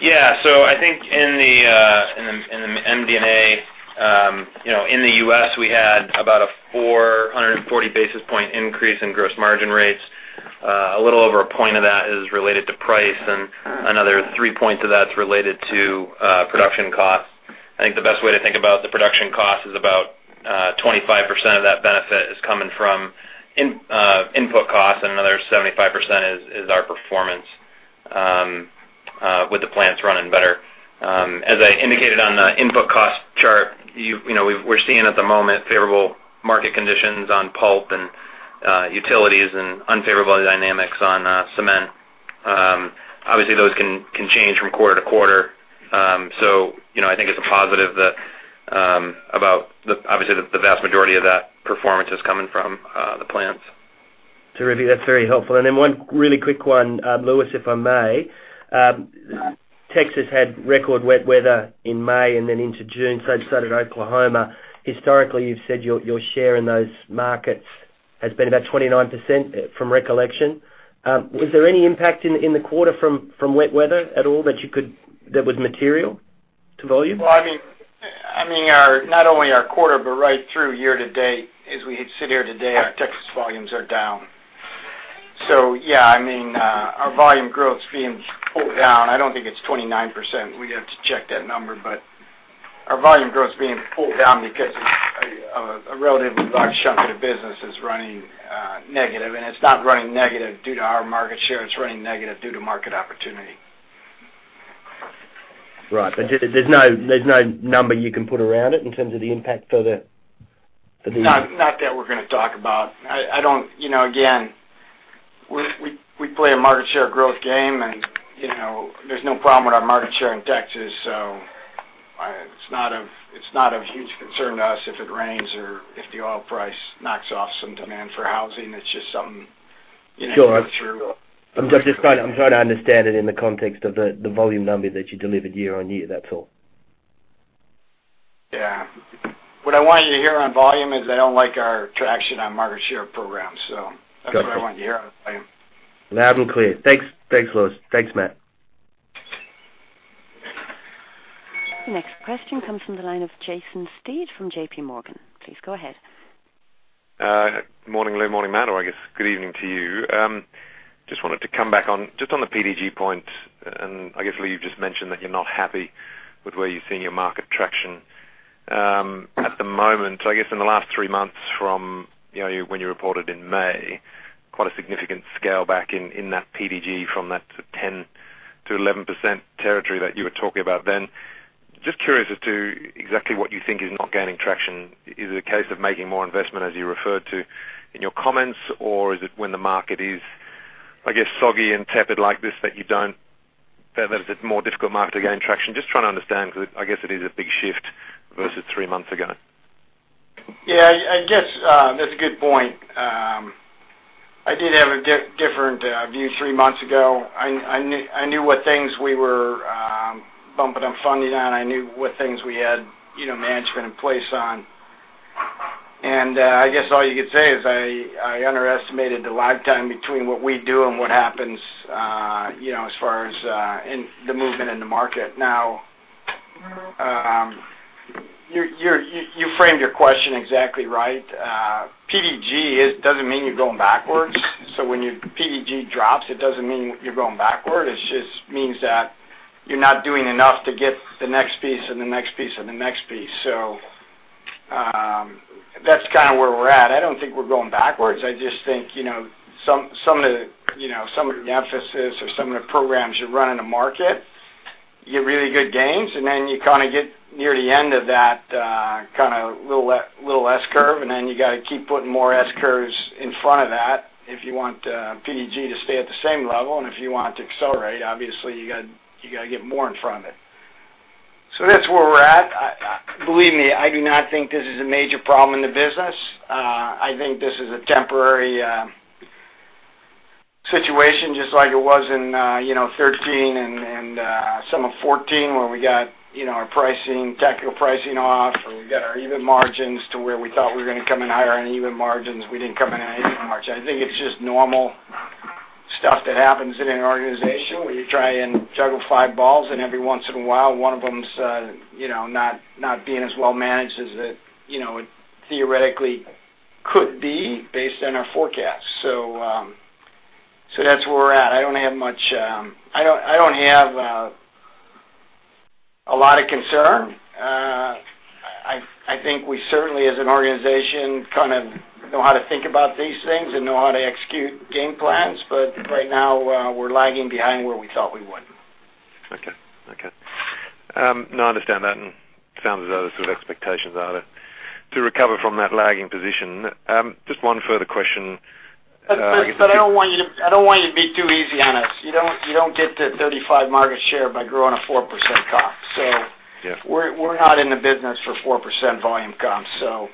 Yeah. So I think in the MD&A, you know, in the U.S., we had about a 440 basis point increase in gross margin rates. A little over a point of that is related to price, and another three points of that's related to production costs. I think the best way to think about the production cost is about 25% of that benefit is coming from input costs, and another 75% is our performance with the plants running better. As I indicated on the input cost chart, you know, we're seeing at the moment favorable market conditions on pulp and utilities and unfavorable dynamics on cement. Obviously, those can change from quarter to quarter. So, you know, I think it's a positive that about the, obviously, the vast majority of that performance is coming from the plants. Terrific. That's very helpful. And then one really quick one, Louis, if I may. Texas had record wet weather in May and then into June, so did Southern Oklahoma. Historically, you've said your share in those markets has been about 29%, from recollection. Was there any impact in the quarter from wet weather at all that was material to volume? I mean, not only our quarter, but right through year to date, as we sit here today, our Texas volumes are down. So yeah, I mean, our volume growth is being pulled down. I don't think it's 29%. We'd have to check that number, but our volume growth is being pulled down because a relatively large chunk of the business is running negative, and it's not running negative due to our market share, it's running negative due to market opportunity. Right. But there's no number you can put around it in terms of the impact for the- Not that we're gonna talk about. I don't... You know, again, we play a market share growth game, and, you know, there's no problem with our market share in Texas, so, it's not of huge concern to us if it rains or if the oil price knocks off some demand for housing. It's just something, you know, through. I'm just trying to understand it in the context of the volume number that you delivered year on year, that's all. Yeah. What I want you to hear on volume is I don't like our traction on market share programs, so. Got you. That's what I want you to hear on volume. Loud and clear. Thanks. Thanks, Louis. Thanks, Matt. Next question comes from the line of Jason Steed from JPMorgan. Please go ahead. Morning, Louis, morning, Matt, or I guess good evening to you. Just wanted to come back on, just on the PDG point, and I guess, Louis, you just mentioned that you're not happy with where you've seen your market traction. At the moment, I guess in the last three months from, you know, when you reported in May, quite a significant scale back in that PDG from that 10%-11% territory that you were talking about then. Just curious as to exactly what you think is not gaining traction. Is it a case of making more investment, as you referred to in your comments, or is it when the market is, I guess, soggy and tepid like this, that there's a more difficult market to gain traction? Just trying to understand, because I guess it is a big shift versus three months ago. Yeah, I guess that's a good point. I did have a different view three months ago. I knew what things we were bumping up funding on. I knew what things we had, you know, management in place on. I guess all you could say is I underestimated the lifetime between what we do and what happens, you know, as far as in the movement in the market. Now, you framed your question exactly right. PDG doesn't mean you're going backwards. When your PDG drops, it doesn't mean you're going backward. It just means that you're not doing enough to get the next piece and the next piece and the next piece. That's kind of where we're at. I don't think we're going backwards. I just think, you know, some of the emphasis or some of the programs you run in a market, you get really good gains, and then you kind of get near the end of that, kind of little S-curve, and then you gotta keep putting more S curves in front of that if you want, PDG to stay at the same level, and if you want to accelerate, obviously, you gotta get more in front of it. So that's where we're at. Believe me, I do not think this is a major problem in the business. I think this is a temporary situation, just like it was in, you know, thirteen and, and... Summer fourteen, where we got, you know, our pricing, tactical pricing off, and we got our even margins to where we thought we were gonna come in higher on even margins. We didn't come in on any margin. I think it's just normal stuff that happens in an organization where you try and juggle five balls, and every once in a while, one of them's, you know, not being as well managed as it, you know, it theoretically could be based on our forecast. So, that's where we're at. I don't have much. I don't have a lot of concern. I think we certainly, as an organization, kind of know how to think about these things and know how to execute game plans, but right now, we're lagging behind where we thought we would. Okay. Okay. No, I understand that and sounds as though those sort of expectations are to recover from that lagging position. Just one further question. I don't want you, I don't want you to be too easy on us. You don't, you don't get to 35% market share by growing a 4% comp. Yeah. So we're not in the business for 4% volume comp. So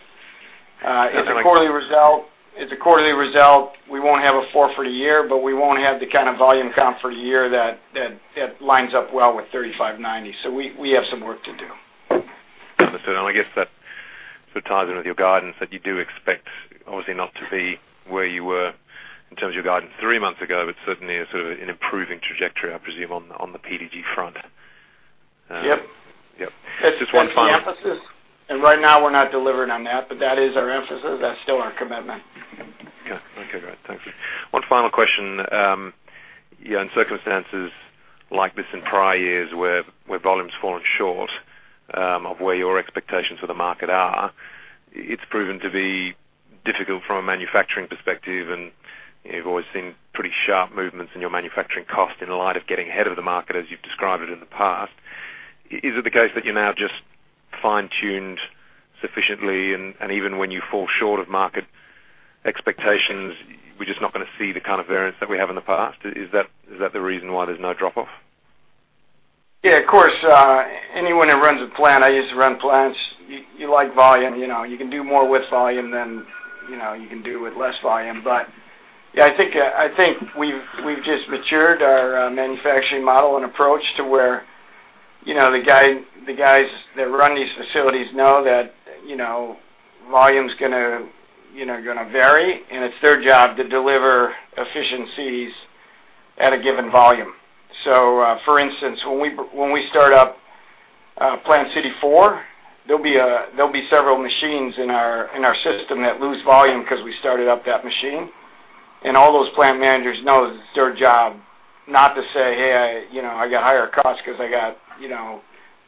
Okay. It's a quarterly result. We won't have a four for the year, but we won't have the kind of volume comp for the year that lines up well with thirty-five, ninety, so we have some work to do. Understood. And I guess that sort of ties in with your guidance, that you do expect, obviously, not to be where you were in terms of your guidance three months ago, but certainly a sort of an improving trajectory, I presume, on the PDG front. Yep. Yep. Just one final- That's the emphasis, and right now we're not delivering on that, but that is our emphasis. That's still our commitment. Okay. Okay, great. Thank you. One final question. Yeah, in circumstances like this in prior years, where volumes fallen short of where your expectations for the market are, it's proven to be difficult from a manufacturing perspective, and you've always seen pretty sharp movements in your manufacturing cost in light of getting ahead of the market, as you've described it in the past. Is it the case that you're now just fine-tuned sufficiently, and even when you fall short of market expectations, we're just not gonna see the kind of variance that we have in the past? Is that the reason why there's no drop-off? Yeah, of course, anyone who runs a plant, I used to run plants, you like volume. You know, you can do more with volume than, you know, you can do with less volume. But yeah, I think, I think we've just matured our manufacturing model and approach to where, you know, the guys that run these facilities know that, you know, volume's gonna vary, and it's their job to deliver efficiencies at a given volume. So, for instance, when we start up Plant City four, there'll be several machines in our system that lose volume 'cause we started up that machine. All those plant managers know that it's their job, not to say, "Hey, you know, I got higher costs 'cause I got, you know,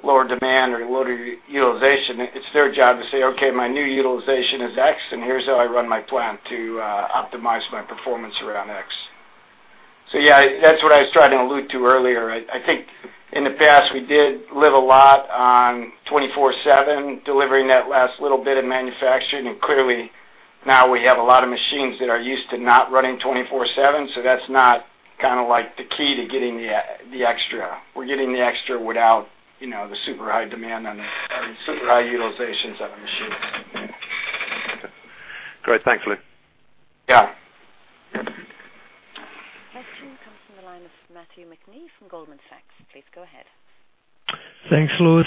lower demand or lower utilization." It's their job to say, "Okay, my new utilization is X, and here's how I run my plant to optimize my performance around X." So yeah, that's what I was trying to allude to earlier. I think in the past, we did live a lot on 24/7, delivering that last little bit of manufacturing, and clearly now we have a lot of machines that are used to not running 24/7, so that's not kind of like the key to getting the extra. We're getting the extra without, you know, the super high demand and super high utilizations of a machine. Great. Thanks, Lou. Yeah. Next question comes from the line of Matthew McNee from Goldman Sachs. Please go ahead. Thanks, Louis.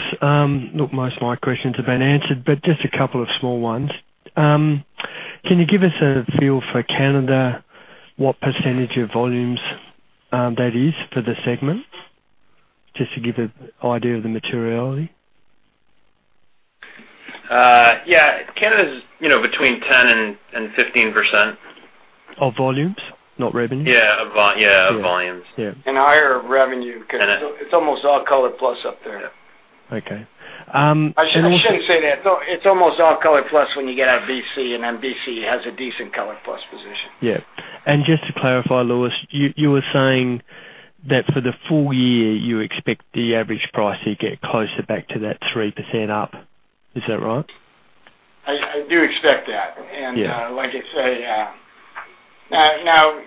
Look, most of my questions have been answered, but just a couple of small ones. Can you give us a feel for Canada, what percentage of volumes, that is for the segment? Just to give an idea of the materiality. Yeah. Canada's, you know, between 10% and 15%. Of volumes, not revenue? Yeah, of volumes. Yeah. And higher revenue- And, uh- It's almost all ColorPlus up there. Yeah. Okay, and also- I shouldn't say that. No, it's almost all ColorPlus when you get out of BC, and then BC has a decent ColorPlus position. Yeah. And just to clarify, Louis, you, you were saying that for the full year, you expect the average price to get closer back to that 3% up. Is that right? I do expect that. Yeah. Like I say, now.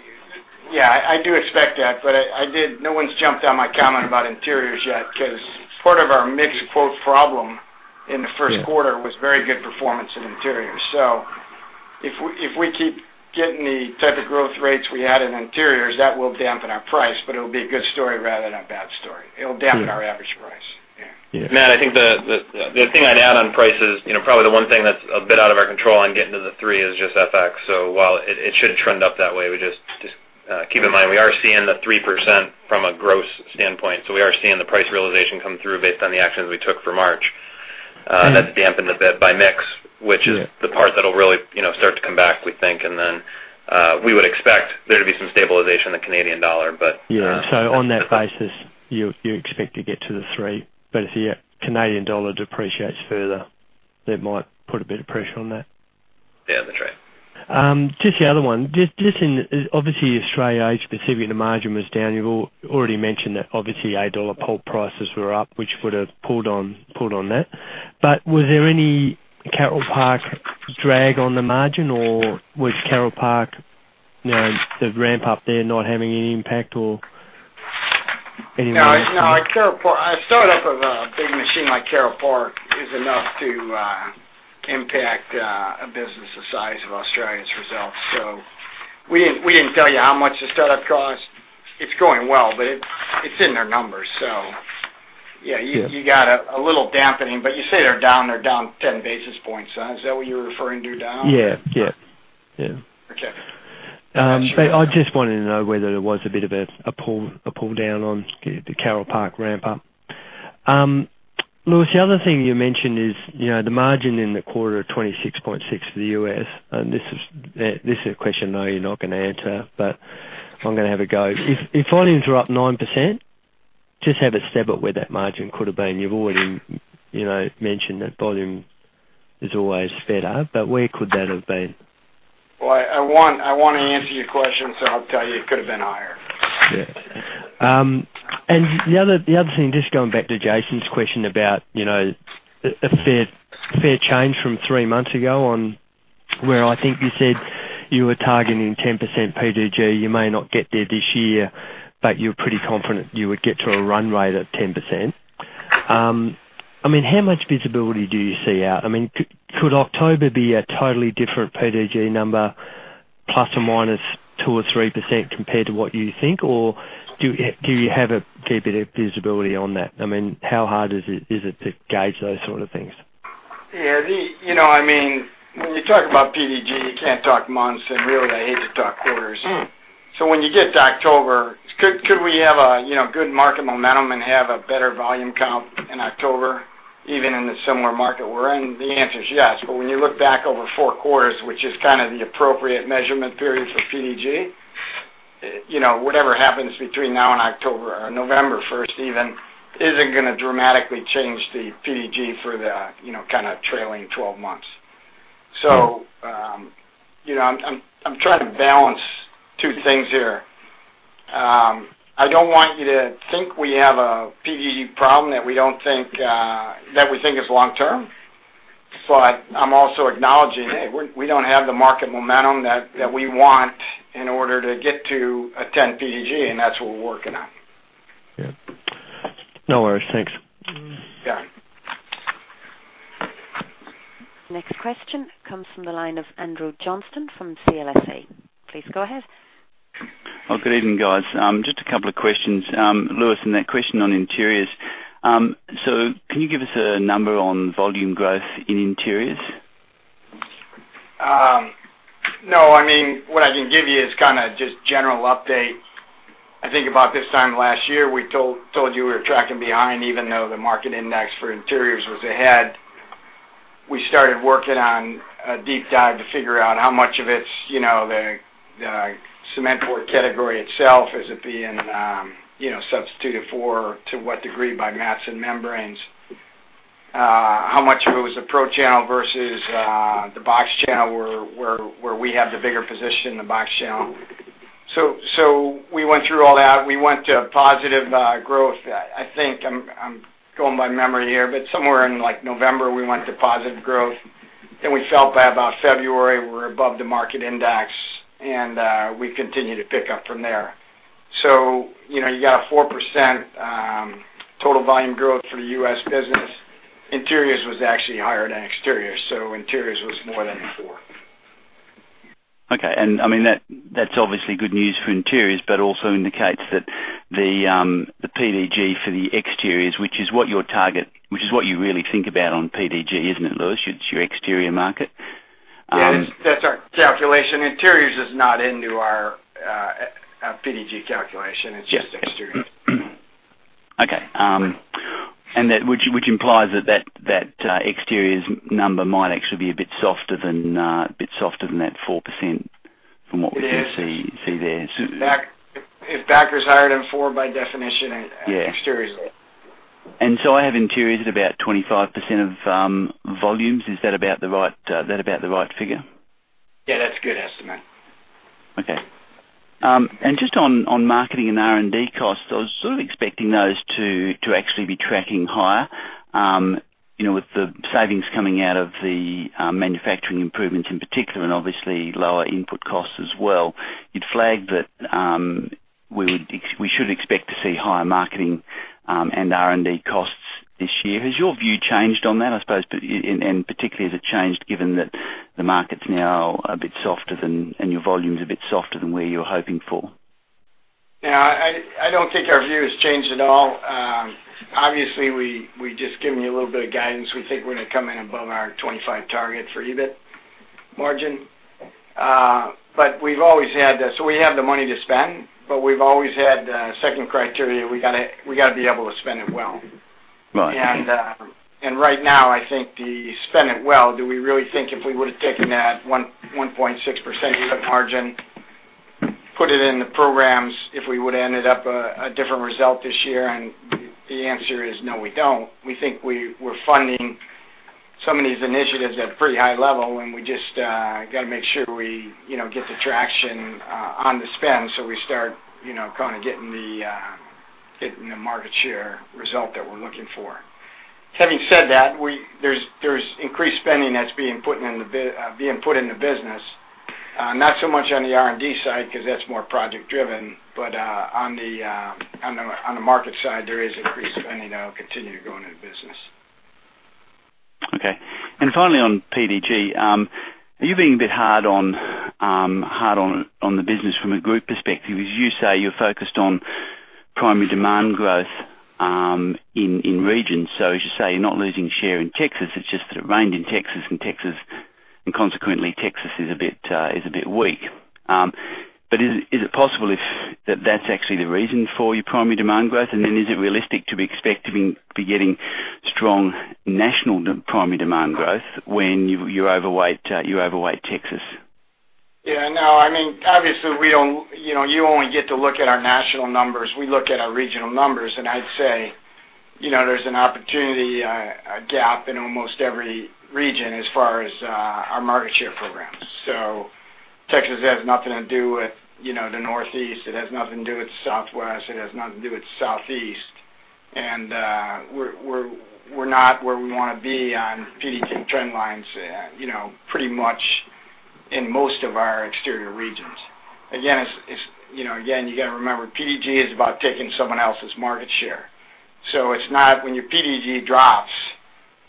Yeah, I do expect that, but I did—no one's jumped on my comment about interiors yet, 'cause part of our mix quote problem in the first quarter- Yeah... was very good performance in interiors. So if we, if we keep getting the type of growth rates we had in interiors, that will dampen our price, but it'll be a good story rather than a bad story. Mm. It'll dampen our average price. Yeah. Yeah. Matt, I think the thing I'd add on prices, you know, probably the one thing that's a bit out of our control and getting to the three is just FX. So while it should trend up that way, we just keep in mind, we are seeing the 3% from a gross standpoint, so we are seeing the price realization come through based on the actions we took for March. Mm. That's dampened a bit by mix- Yeah - which is the part that'll really, you know, start to come back, we think, and then, we would expect there to be some stabilization in the Canadian dollar, but. Yeah, so on that basis, you expect to get to the three, but if the Canadian dollar depreciates further, that might put a bit of pressure on that? Down the track. Just the other one. Just in... Obviously, Australia-specific margin was down. You already mentioned that obviously, $8 pulp prices were up, which would have pulled on that. But was there any Carole Park drag on the margin, or was Carole Park, you know, the ramp up there not having any impact or any- No, no, at Carole Park, starting up a big machine like Carole Park is enough to impact a business the size of Australia's results. So we didn't tell you how much the startup cost. It's going well, but it's in our numbers. So yeah, you got a little dampening, but you say they're down 10 basis points. Is that what you're referring to, down? Yeah. Yeah. Yeah. Okay. But I just wanted to know whether there was a bit of a pull down on the Carole Park ramp up. Louis, the other thing you mentioned is, you know, the margin in the quarter of 26.6% for the US, and this is a question I know you're not going to answer, but I'm gonna have a go. If volumes are up 9%, just have a stab at where that margin could have been. You've already, you know, mentioned that volume is always better, but where could that have been? I want to answer your question, so I'll tell you it could have been higher. Yeah. And the other thing, just going back to Jason's question about, you know, a fair change from three months ago on where I think you said you were targeting 10% PDG. You may not get there this year, but you're pretty confident you would get to a run rate of 10%. I mean, how much visibility do you see out? I mean, could October be a totally different PDG number, plus or minus 2% or 3% compared to what you think? Or do you have a key bit of visibility on that? I mean, how hard is it to gauge those sort of things? Yeah, you know, I mean, when you talk about PDG, you can't talk months, and really, I hate to talk quarters. Mm. So when you get to October, could we have a, you know, good market momentum and have a better volume count in October, even in the similar market we're in? The answer is yes. But when you look back over four quarters, which is kind of the appropriate measurement period for PDG, you know, whatever happens between now and October or November first, even, isn't going to dramatically change the PDG for the, you know, kind of trailing twelve months. So, you know, I'm trying to balance two things here. I don't want you to think we have a PDG problem that we don't think that we think is long term, but I'm also acknowledging, hey, we don't have the market momentum that we want in order to get to a ten PDG, and that's what we're working on. Yeah. No worries. Thanks. Yeah. Next question comes from the line of Andrew Johnston from CLSA. Please go ahead. Good evening, guys. Just a couple of questions. Louis, in that question on interiors, so can you give us a number on volume growth in interiors? No. I mean, what I can give you is kind of just general update. I think about this time last year, we told you we were tracking behind, even though the market index for interiors was ahead. We started working on a deep dive to figure out how much of it's you know the cement board category itself. Is it being you know substituted for, to what degree by mats and membranes? How much of it was the pro channel versus the box channel, where we have the bigger position in the box channel. So we went through all that. We went to a positive growth. I think I'm going by memory here, but somewhere in, like, November, we went to positive growth, and we felt by about February, we were above the market index, and we continued to pick up from there. So, you know, you got a 4% total volume growth for the U.S. business. Interiors was actually higher than exteriors, so interiors was more than four. Okay. And I mean, that, that's obviously good news for interiors, but also indicates that the PDG for the exteriors, which is what your target, which is what you really think about on PDG, isn't it, Louis? It's your exterior market. Yeah, that's our calculation. Interiors is not into our PDG calculation. Yeah. It's just exteriors. Okay, and that... Which implies that exteriors number might actually be a bit softer than that 4% from what we can see- It is See there. So If backers higher than four, by definition- Yeah -exteriors. I have interiors at about 25% of volumes. Is that about the right figure? Yeah, that's a good estimate. Okay. And just on marketing and R&D costs, I was sort of expecting those to actually be tracking higher, you know, with the savings coming out of the manufacturing improvements in particular, and obviously lower input costs as well. You'd flagged that we should expect to see higher marketing and R&D costs this year. Has your view changed on that, I suppose, and particularly, has it changed given that the market's now a bit softer than, and your volume is a bit softer than where you're hoping for? Yeah, I don't think our view has changed at all. Obviously, we've just given you a little bit of guidance. We think we're going to come in above our 25% target for EBIT margin. But we've always had that. So we have the money to spend, but we've always had a second criteria. We gotta be able to spend it well. Right. Right now, I think the spend. It well, do we really think if we would have taken that 1.6% EBIT margin, put it in the programs, if we would've ended up a different result this year? The answer is no, we don't. We think we're funding some of these initiatives at a pretty high level, and we just gotta make sure we, you know, get the traction on the spend so we start, you know, kind of getting the market share result that we're looking for. Having said that, there's increased spending that's being put in the business, not so much on the R&D side, because that's more project driven, but on the market side, there is increased spending that will continue to go into the business. ... Okay. And finally, on PDG, are you being a bit hard on the business from a group perspective? As you say, you're focused on primary demand growth in regions. So as you say, you're not losing share in Texas, it's just that it rained in Texas, and consequently, Texas is a bit weak. But is it possible if that's actually the reason for your primary demand growth? And then is it realistic to be expecting to get strong national primary demand growth when you overweight Texas? Yeah, no, I mean, obviously, we don't, you know, you only get to look at our national numbers. We look at our regional numbers, and I'd say, you know, there's an opportunity, a gap in almost every region as far as, our market share programs. So Texas has nothing to do with, you know, the Northeast. It has nothing to do with Southwest. It has nothing to do with Southeast. And, we're not where we wanna be on PDG trend lines, you know, pretty much in most of our exterior regions. Again, it's, you know, again, you gotta remember, PDG is about taking someone else's market share. So it's not, when your PDG drops,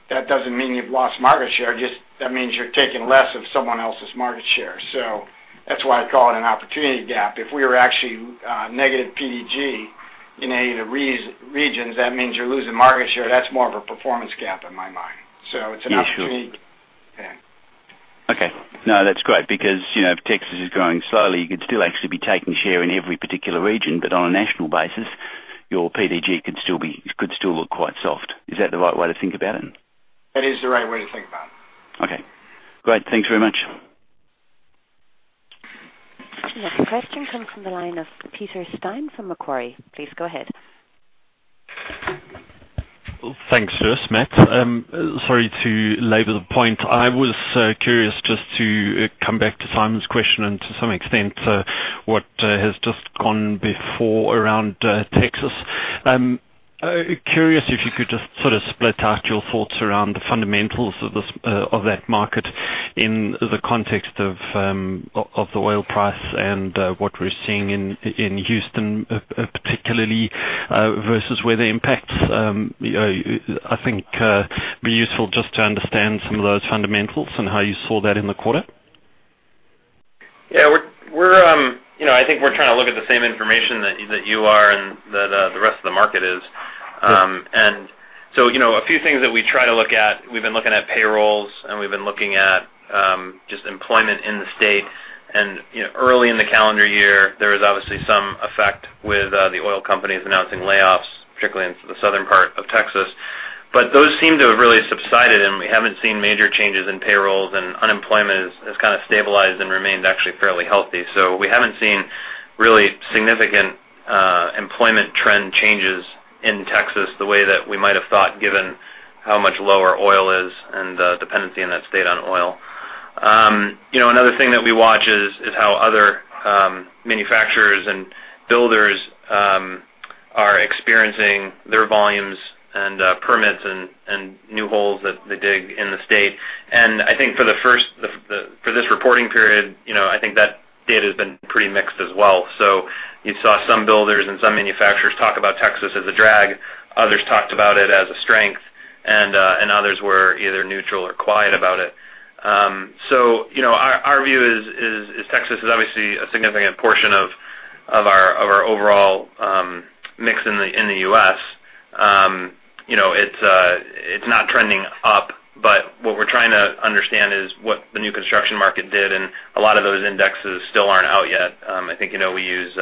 that doesn't mean you've lost market share, just that means you're taking less of someone else's market share. So that's why I call it an opportunity gap. If we were actually negative PDG in any of the regions, that means you're losing market share. That's more of a performance gap in my mind. So it's an opportunity. Yeah, sure. Yeah. Okay. No, that's great, because, you know, if Texas is growing slowly, you could still actually be taking share in every particular region, but on a national basis, your PDG could still be, could still look quite soft. Is that the right way to think about it? That is the right way to think about it. Okay, great. Thanks very much. The next question comes from the line of Peter Steyn from Macquarie. Please go ahead. Thanks first, Matt. Sorry to labor the point. I was curious just to come back to Simon's question and to some extent what has just gone before around Texas. Curious if you could just sort of split out your thoughts around the fundamentals of this of that market in the context of of the oil price and what we're seeing in in Houston particularly versus where the impacts I think be useful just to understand some of those fundamentals and how you saw that in the quarter. Yeah, we're, you know, I think we're trying to look at the same information that you are and that the rest of the market is. Sure. So, you know, a few things that we try to look at. We've been looking at payrolls, and we've been looking at just employment in the state. You know, early in the calendar year, there was obviously some effect with the oil companies announcing layoffs, particularly in the southern part of Texas, but those seem to have really subsided, and we haven't seen major changes in payrolls, and unemployment has kind of stabilized and remained actually fairly healthy, so we haven't seen really significant employment trend changes in Texas the way that we might have thought, given how much lower oil is and the dependency in that state on oil. You know, another thing that we watch is how other manufacturers and builders are experiencing their volumes and permits and new homes that they dig in the state, and I think for this reporting period, you know, I think that data has been pretty mixed as well, so you saw some builders and some manufacturers talk about Texas as a drag. Others talked about it as a strength, and others were either neutral or quiet about it, so you know, our view is Texas is obviously a significant portion of our overall mix in the US. You know, it's not trending up, but what we're trying to understand is what the new construction market did, and a lot of those indexes still aren't out yet. I think, you know, we use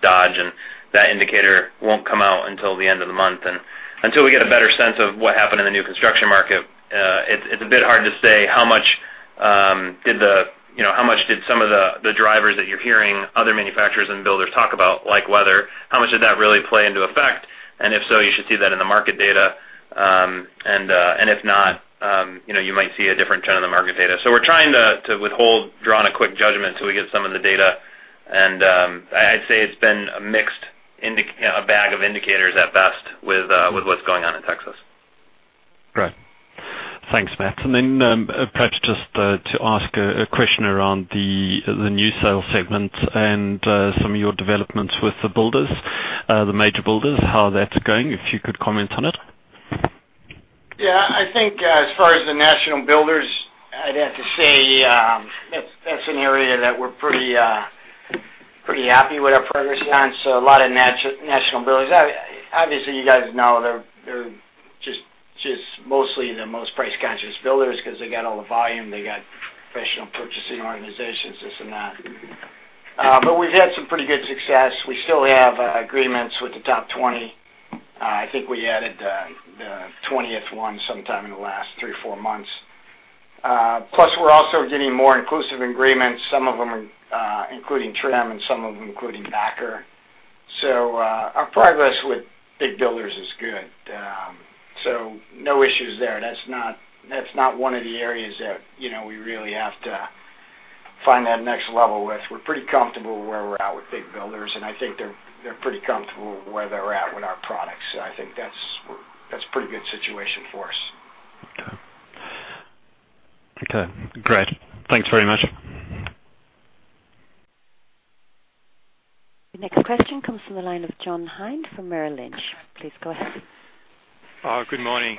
Dodge, and that indicator won't come out until the end of the month. Until we get a better sense of what happened in the new construction market, it's a bit hard to say how much did some of the drivers that you're hearing other manufacturers and builders talk about, like weather, really play into effect? And if so, you should see that in the market data. And if not, you know, you might see a different trend in the market data. So we're trying to withhold drawing a quick judgment until we get some of the data. And I'd say it's been a mixed bag of indicators at best with what's going on in Texas. Great. Thanks, Matt. And then, perhaps just, to ask a question around the new sales segment and some of your developments with the builders, the major builders, how that's going, if you could comment on it? Yeah, I think, as far as the national builders, I'd have to say, that's an area that we're pretty happy with our progress on. So a lot of national builders. Obviously, you guys know, they're just mostly the most price-conscious builders 'cause they got all the volume, they got professional purchasing organizations, this and that. But we've had some pretty good success. We still have agreements with the top twenty. I think we added the twentieth one sometime in the last three or four months. Plus, we're also getting more inclusive agreements, some of them including trim and some of them including backer. So, our progress with big builders is good. So no issues there. That's not one of the areas that, you know, we really have to find that next level with. We're pretty comfortable where we're at with big builders, and I think they're pretty comfortable where they're at with our products. So I think that's a pretty good situation for us. Okay. Great. Thanks very much. The next question comes from the line of John Hein from Merrill Lynch. Please go ahead. Good morning,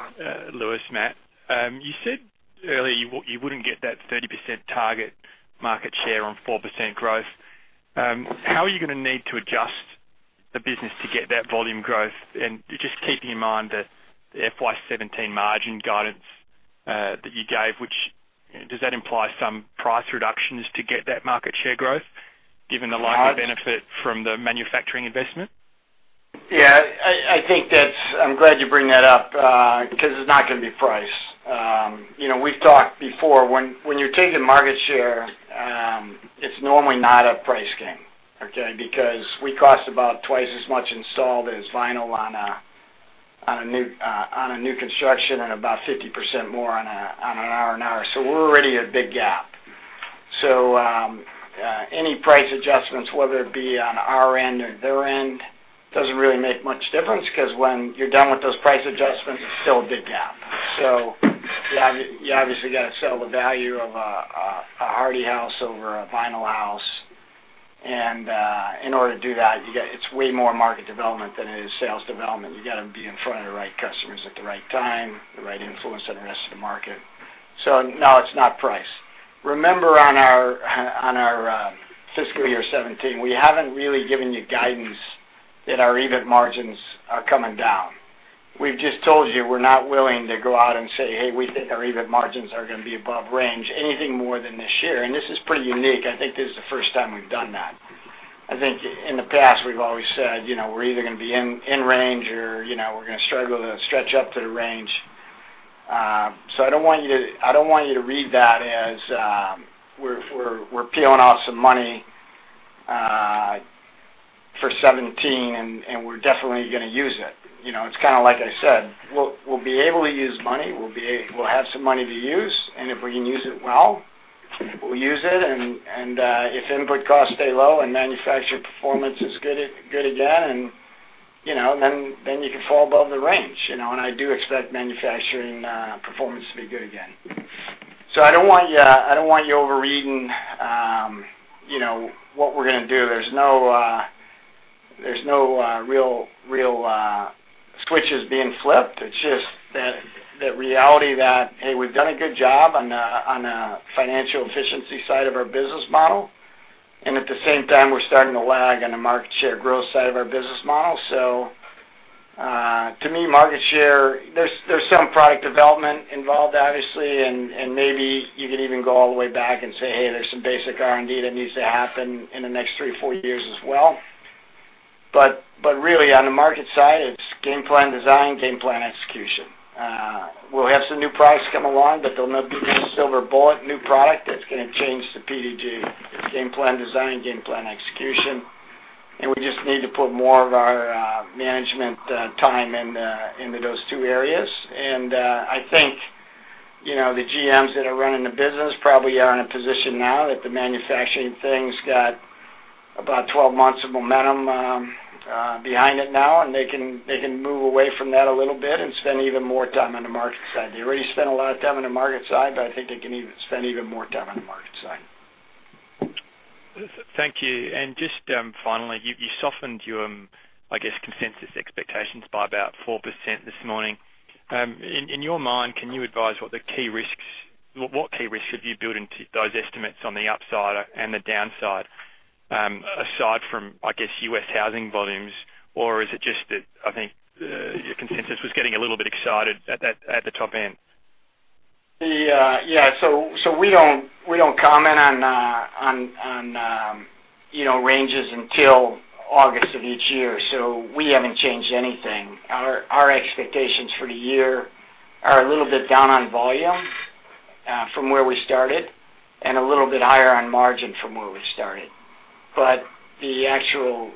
Louis, Matt. You said earlier, you wouldn't get that 30% target market share on 4% growth. How are you gonna need to adjust the business to get that volume growth? And just keeping in mind that the FY 2017 margin guidance that you gave, which does that imply some price reductions to get that market share growth, given the likely benefit from the manufacturing investment? Yeah, I think that's. I'm glad you bring that up, because it's not gonna be price. You know, we've talked before, when you're taking market share, it's normally not a price game, okay? Because we cost about twice as much installed as vinyl on a new construction and about 50% more on a R&R. So we're already at a big gap. So, any price adjustments, whether it be on our end or their end, doesn't really make much difference, 'cause when you're done with those price adjustments, it's still a big gap. So you obviously got to sell the value of a Hardie house over a vinyl house. And, in order to do that, you got. It's way more market development than it is sales development. You got to be in front of the right customers at the right time, the right influence on the rest of the market. So no, it's not price. Remember, on our fiscal year 2017, we haven't really given you guidance that our EBIT margins are coming down. We've just told you we're not willing to go out and say, hey, we think our EBIT margins are gonna be above range anything more than this year, and this is pretty unique. I think this is the first time we've done that. I think in the past, we've always said, you know, we're either gonna be in range or, you know, we're gonna struggle to stretch up to the range. So I don't want you to, I don't want you to read that as we're peeling off some money for seventeen, and we're definitely gonna use it. You know, it's kind of like I said, we'll be able to use money, we'll have some money to use, and if we can use it well, we'll use it. And if input costs stay low and manufacturing performance is good again, and you know, then you can fall above the range. You know, and I do expect manufacturing performance to be good again. So I don't want you, I don't want you overreading you know what we're gonna do. There's no real switches being flipped. It's just that reality that, hey, we've done a good job on the financial efficiency side of our business model, and at the same time, we're starting to lag on the market share growth side of our business model. So, to me, market share, there's some product development involved, obviously, and maybe you could even go all the way back and say, hey, there's some basic R&D that needs to happen in the next three or four years as well. But really, on the market side, it's game plan design, game plan execution. We'll have some new products come along, but there'll not be any silver bullet, new product that's gonna change the PDG. It's game plan design, game plan execution, and we just need to put more of our management time into those two areas. I think, you know, the GMs that are running the business probably are in a position now that the manufacturing thing's got about 12 months of momentum behind it now, and they can move away from that a little bit and spend even more time on the market side. They already spend a lot of time on the market side, but I think they can even spend more time on the market side. Thank you. And just finally, you softened your, I guess, consensus expectations by about 4% this morning. In your mind, can you advise what the key risks- what key risks have you built into those estimates on the upside and the downside, aside from, I guess, US housing volumes? Or is it just that, I think, your consensus was getting a little bit excited at that, at the top end? So we don't comment on, you know, ranges until August of each year, so we haven't changed anything. Our expectations for the year are a little bit down on volume from where we started and a little bit higher on margin from where we started. But the actual,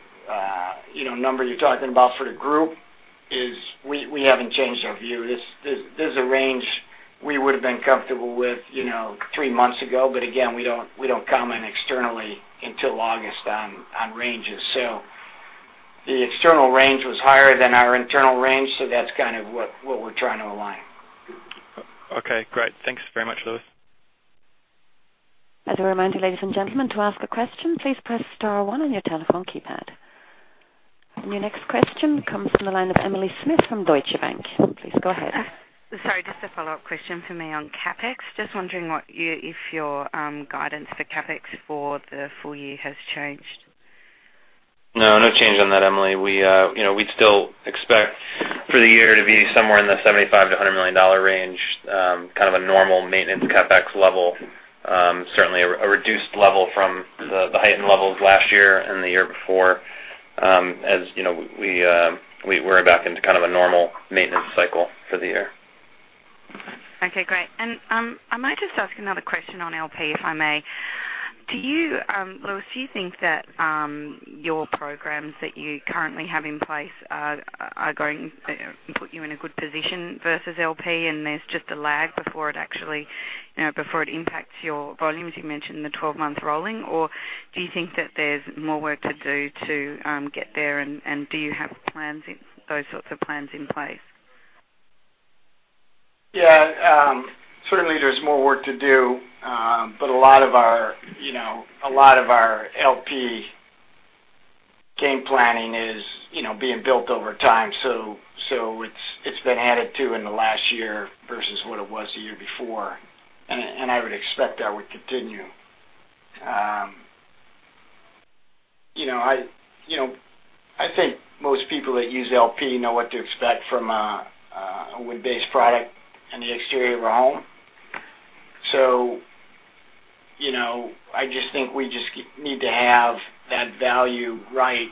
you know, number you're talking about for the group is we haven't changed our view. This is a range we would have been comfortable with, you know, three months ago, but again, we don't comment externally until August on ranges. So the external range was higher than our internal range, so that's kind of what we're trying to align. Okay, great. Thanks very much, Louis. As a reminder, ladies and gentlemen, to ask a question, please press star one on your telephone keypad. And your next question comes from the line of Emily Smith from Deutsche Bank. Please go ahead. Sorry, just a follow-up question for me on CapEx. Just wondering if your guidance for CapEx for the full year has changed? No, no change on that, Emily. We, you know, we'd still expect for the year to be somewhere in the $75 million-$100 million range, kind of a normal maintenance CapEx level. Certainly a reduced level from the heightened levels last year and the year before. As you know, we're back into kind of a normal maintenance cycle for the year. Okay, great. And, I might just ask another question on LP, if I may. Do you, Louis, do you think that your programs that you currently have in place are going to put you in a good position versus LP, and there's just a lag before it actually, you know, before it impacts your volumes, you mentioned the twelve-month rolling? Or do you think that there's more work to do to get there, and do you have plans in, those sorts of plans in place?... Yeah, certainly there's more work to do, but a lot of our, you know, a lot of our LP game planning is, you know, being built over time. So it's been added to in the last year versus what it was the year before, and I would expect that would continue. You know, I think most people that use LP know what to expect from a wood-based product in the exterior of a home. So, you know, I just think we just need to have that value right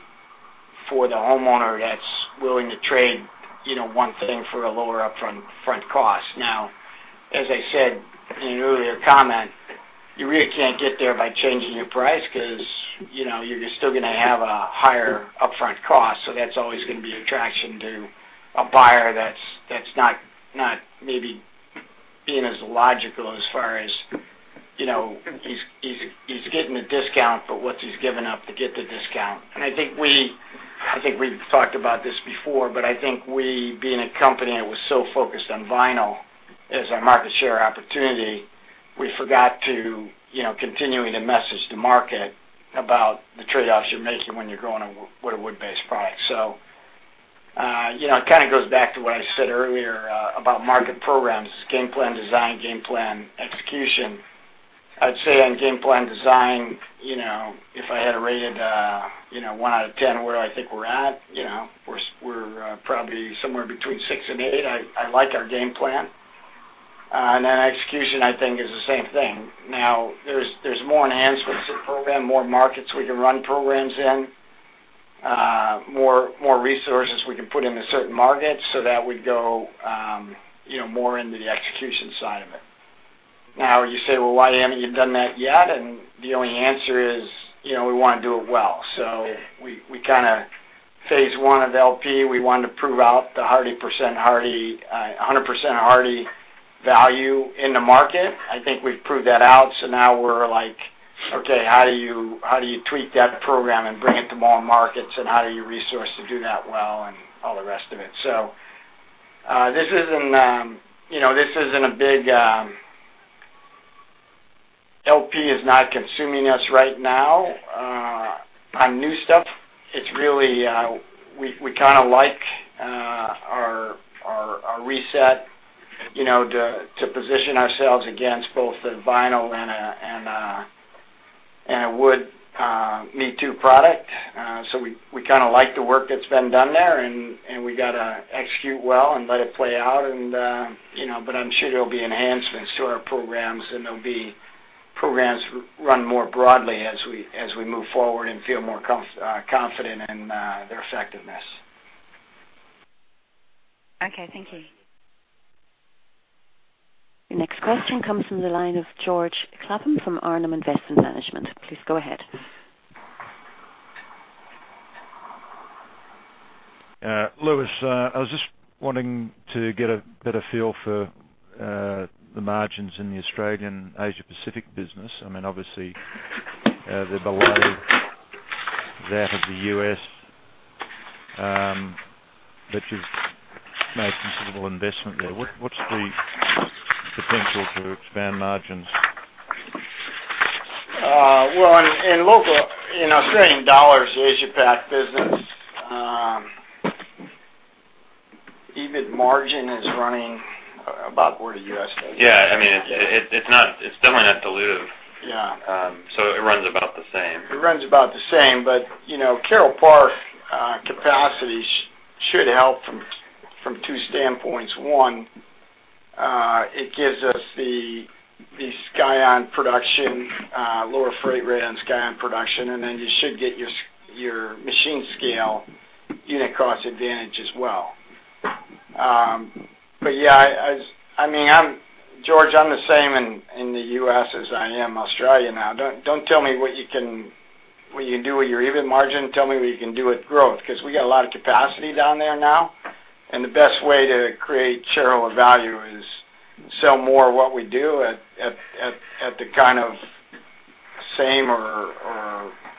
for the homeowner that's willing to trade, you know, one thing for a lower upfront cost. Now, as I said in an earlier comment, you really can't get there by changing your price because, you know, you're still gonna have a higher upfront cost, so that's always gonna be attraction to a buyer that's not maybe being as logical as far as, you know, he's getting a discount, but what's he given up to get the discount? And I think we've talked about this before, but I think we, being a company that was so focused on vinyl as our market share opportunity, we forgot to, you know, continuing to message the market about the trade-offs you're making when you're going with a wood-based product. So, you know, it kind of goes back to what I said earlier about market programs, game plan design, game plan execution. I'd say on game plan design, you know, if I had to rate it, you know, one out of ten, where I think we're at, you know, we're probably somewhere between six and eight. I like our game plan. And then execution, I think, is the same thing. Now, there's more enhancements to the program, more markets we can run programs in, more resources we can put into certain markets, so that would go, you know, more into the execution side of it. Now, you say, "Well, why haven't you done that yet?" And the only answer is, you know, we wanna do it well. So we kinda phase one of LP, we wanted to prove out the 100% Hardie, 100% Hardie value in the market. I think we've proved that out. So now we're like, okay, how do you, how do you tweak that program and bring it to more markets? And how do you resource to do that well, and all the rest of it. So, this isn't, you know, this isn't a big... LP is not consuming us right now. On new stuff, it's really, we kinda like our reset, you know, to position ourselves against both the vinyl and a wood me-too product. So we kinda like the work that's been done there, and we gotta execute well and let it play out, and, you know, but I'm sure there'll be enhancements to our programs, and there'll be programs run more broadly as we move forward and feel more confident in their effectiveness. Okay, thank you. The next question comes from the line of George Clapham from Arnhem Investment Management. Please go ahead. Louis, I was just wanting to get a better feel for the margins in the Australian Asia Pacific business. I mean, obviously, they're below that of the US, but you've made considerable investment there. What's the potential to expand margins? Well, in local Australian dollars, the Asia Pac business, EBIT margin is running about where the US is. Yeah, I mean, it's not. It's definitely not dilutive. Yeah. So it runs about the same. It runs about the same, but, you know, Carole Park capacity should help from two standpoints. One, it gives us the Scyon production, lower freight rate on Scyon production, and then you should get your machine scale unit cost advantage as well. But yeah, I mean, George, I'm the same in the U.S. as I am Australia now. Don't tell me what you can do with your EBIT margin. Tell me what you can do with growth, 'cause we got a lot of capacity down there now, and the best way to create shareholder value is sell more of what we do at the kind of same or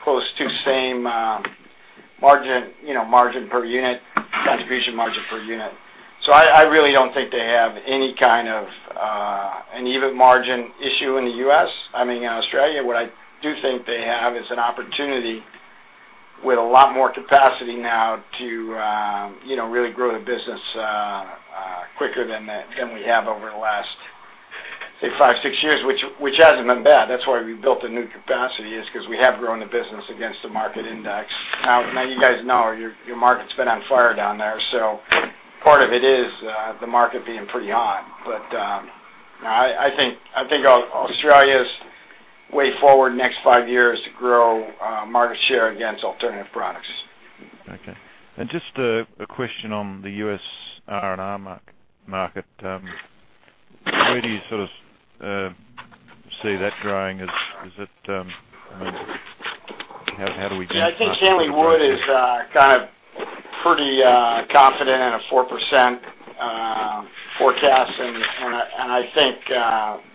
close to same margin, you know, margin per unit, contribution margin per unit. So I really don't think they have any kind of an EBIT margin issue in the US. I mean, in Australia, what I do think they have is an opportunity with a lot more capacity now to you know really grow the business quicker than we have over the last say five six years, which hasn't been bad. That's why we built a new capacity, is 'cause we have grown the business against the market index. Now you guys know, your market's been on fire down there, so part of it is the market being pretty hot. But I think Australia's way forward in the next five years is to grow market share against alternative products. Okay. And just a question on the US R&R market. Where do you sort of see that growing? Is it, I mean, how do we do? Yeah, I think Hanley Wood is kind of pretty confident in a 4% forecast, and I think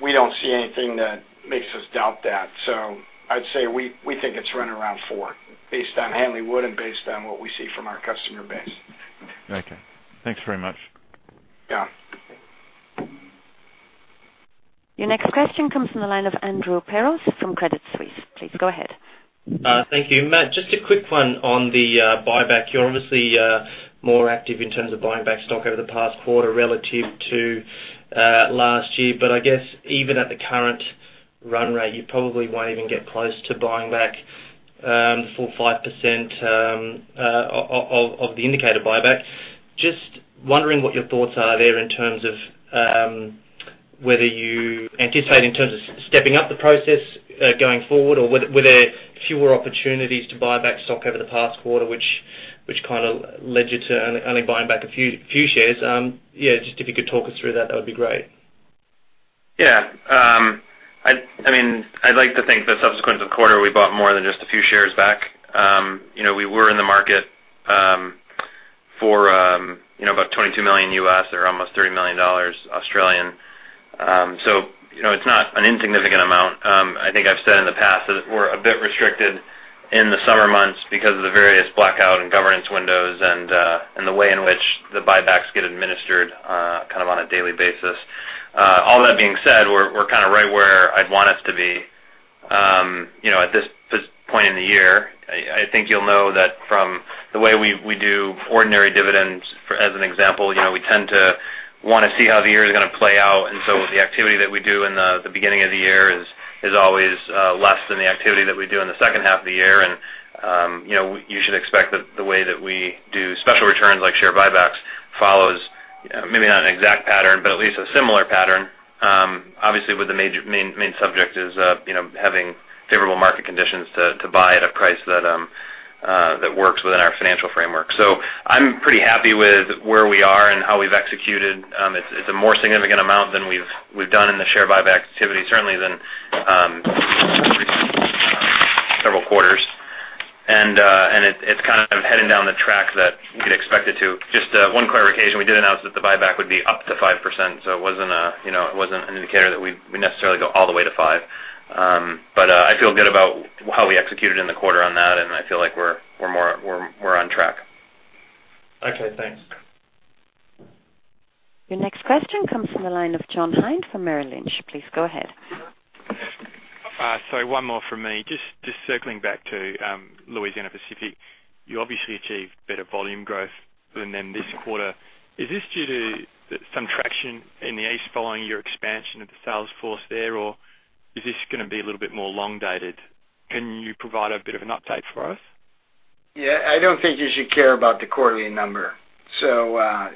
we don't see anything that makes us doubt that, so I'd say we think it's running around 4%, based on Hanley Wood and based on what we see from our customer base. Okay. Thanks very much. Yeah. Your next question comes from the line of Andrew Peros from Credit Suisse. Please, go ahead. Thank you, Matt. Just a quick one on the buyback. You're obviously more active in terms of buying back stock over the past quarter relative to last year. But I guess even at the current run rate, you probably won't even get close to buying back 4%-5% of the indicated buyback. Just wondering what your thoughts are there in terms of whether you anticipate in terms of stepping up the process going forward, or were there fewer opportunities to buy back stock over the past quarter, which kind of led you to only buying back a few shares? Yeah, just if you could talk us through that, that would be great. Yeah. I mean, I'd like to think that subsequent to the quarter, we bought more than just a few shares back. You know, we were in the market for, you know, about $22 million U.S., or almost 30 million dollars. So you know, it's not an insignificant amount. I think I've said in the past that we're a bit restricted in the summer months because of the various blackout and governance windows and the way in which the buybacks get administered kind of on a daily basis. All that being said, we're kind of right where I'd want us to be, you know, at this point in the year. I think you'll know that from the way we do ordinary dividends, for -- as an example, you know, we tend to wanna see how the year is gonna play out. And so the activity that we do in the beginning of the year is always less than the activity that we do in the second half of the year. And, you know, you should expect that the way that we do special returns, like share buybacks, follows maybe not an exact pattern, but at least a similar pattern. Obviously, with the main subject is, you know, having favorable market conditions to buy at a price that works within our financial framework. So I'm pretty happy with where we are and how we've executed. It's a more significant amount than we've done in the share buyback activity, certainly than several quarters. And it's kind of heading down the track that you could expect it to. Just one clarification, we did announce that the buyback would be up to 5%, so it wasn't a, you know, it wasn't an indicator that we'd necessarily go all the way to five. But I feel good about how we executed in the quarter on that, and I feel like we're more, we're on track. Okay, thanks. Your next question comes from the line of John Hein from Merrill Lynch. Please go ahead. So one more from me. Just circling back to Louisiana-Pacific. You obviously achieved better volume growth than them this quarter. Is this due to some traction in the East following your expansion of the sales force there, or is this gonna be a little bit more long-dated? Can you provide a bit of an update for us? Yeah, I don't think you should care about the quarterly number. So,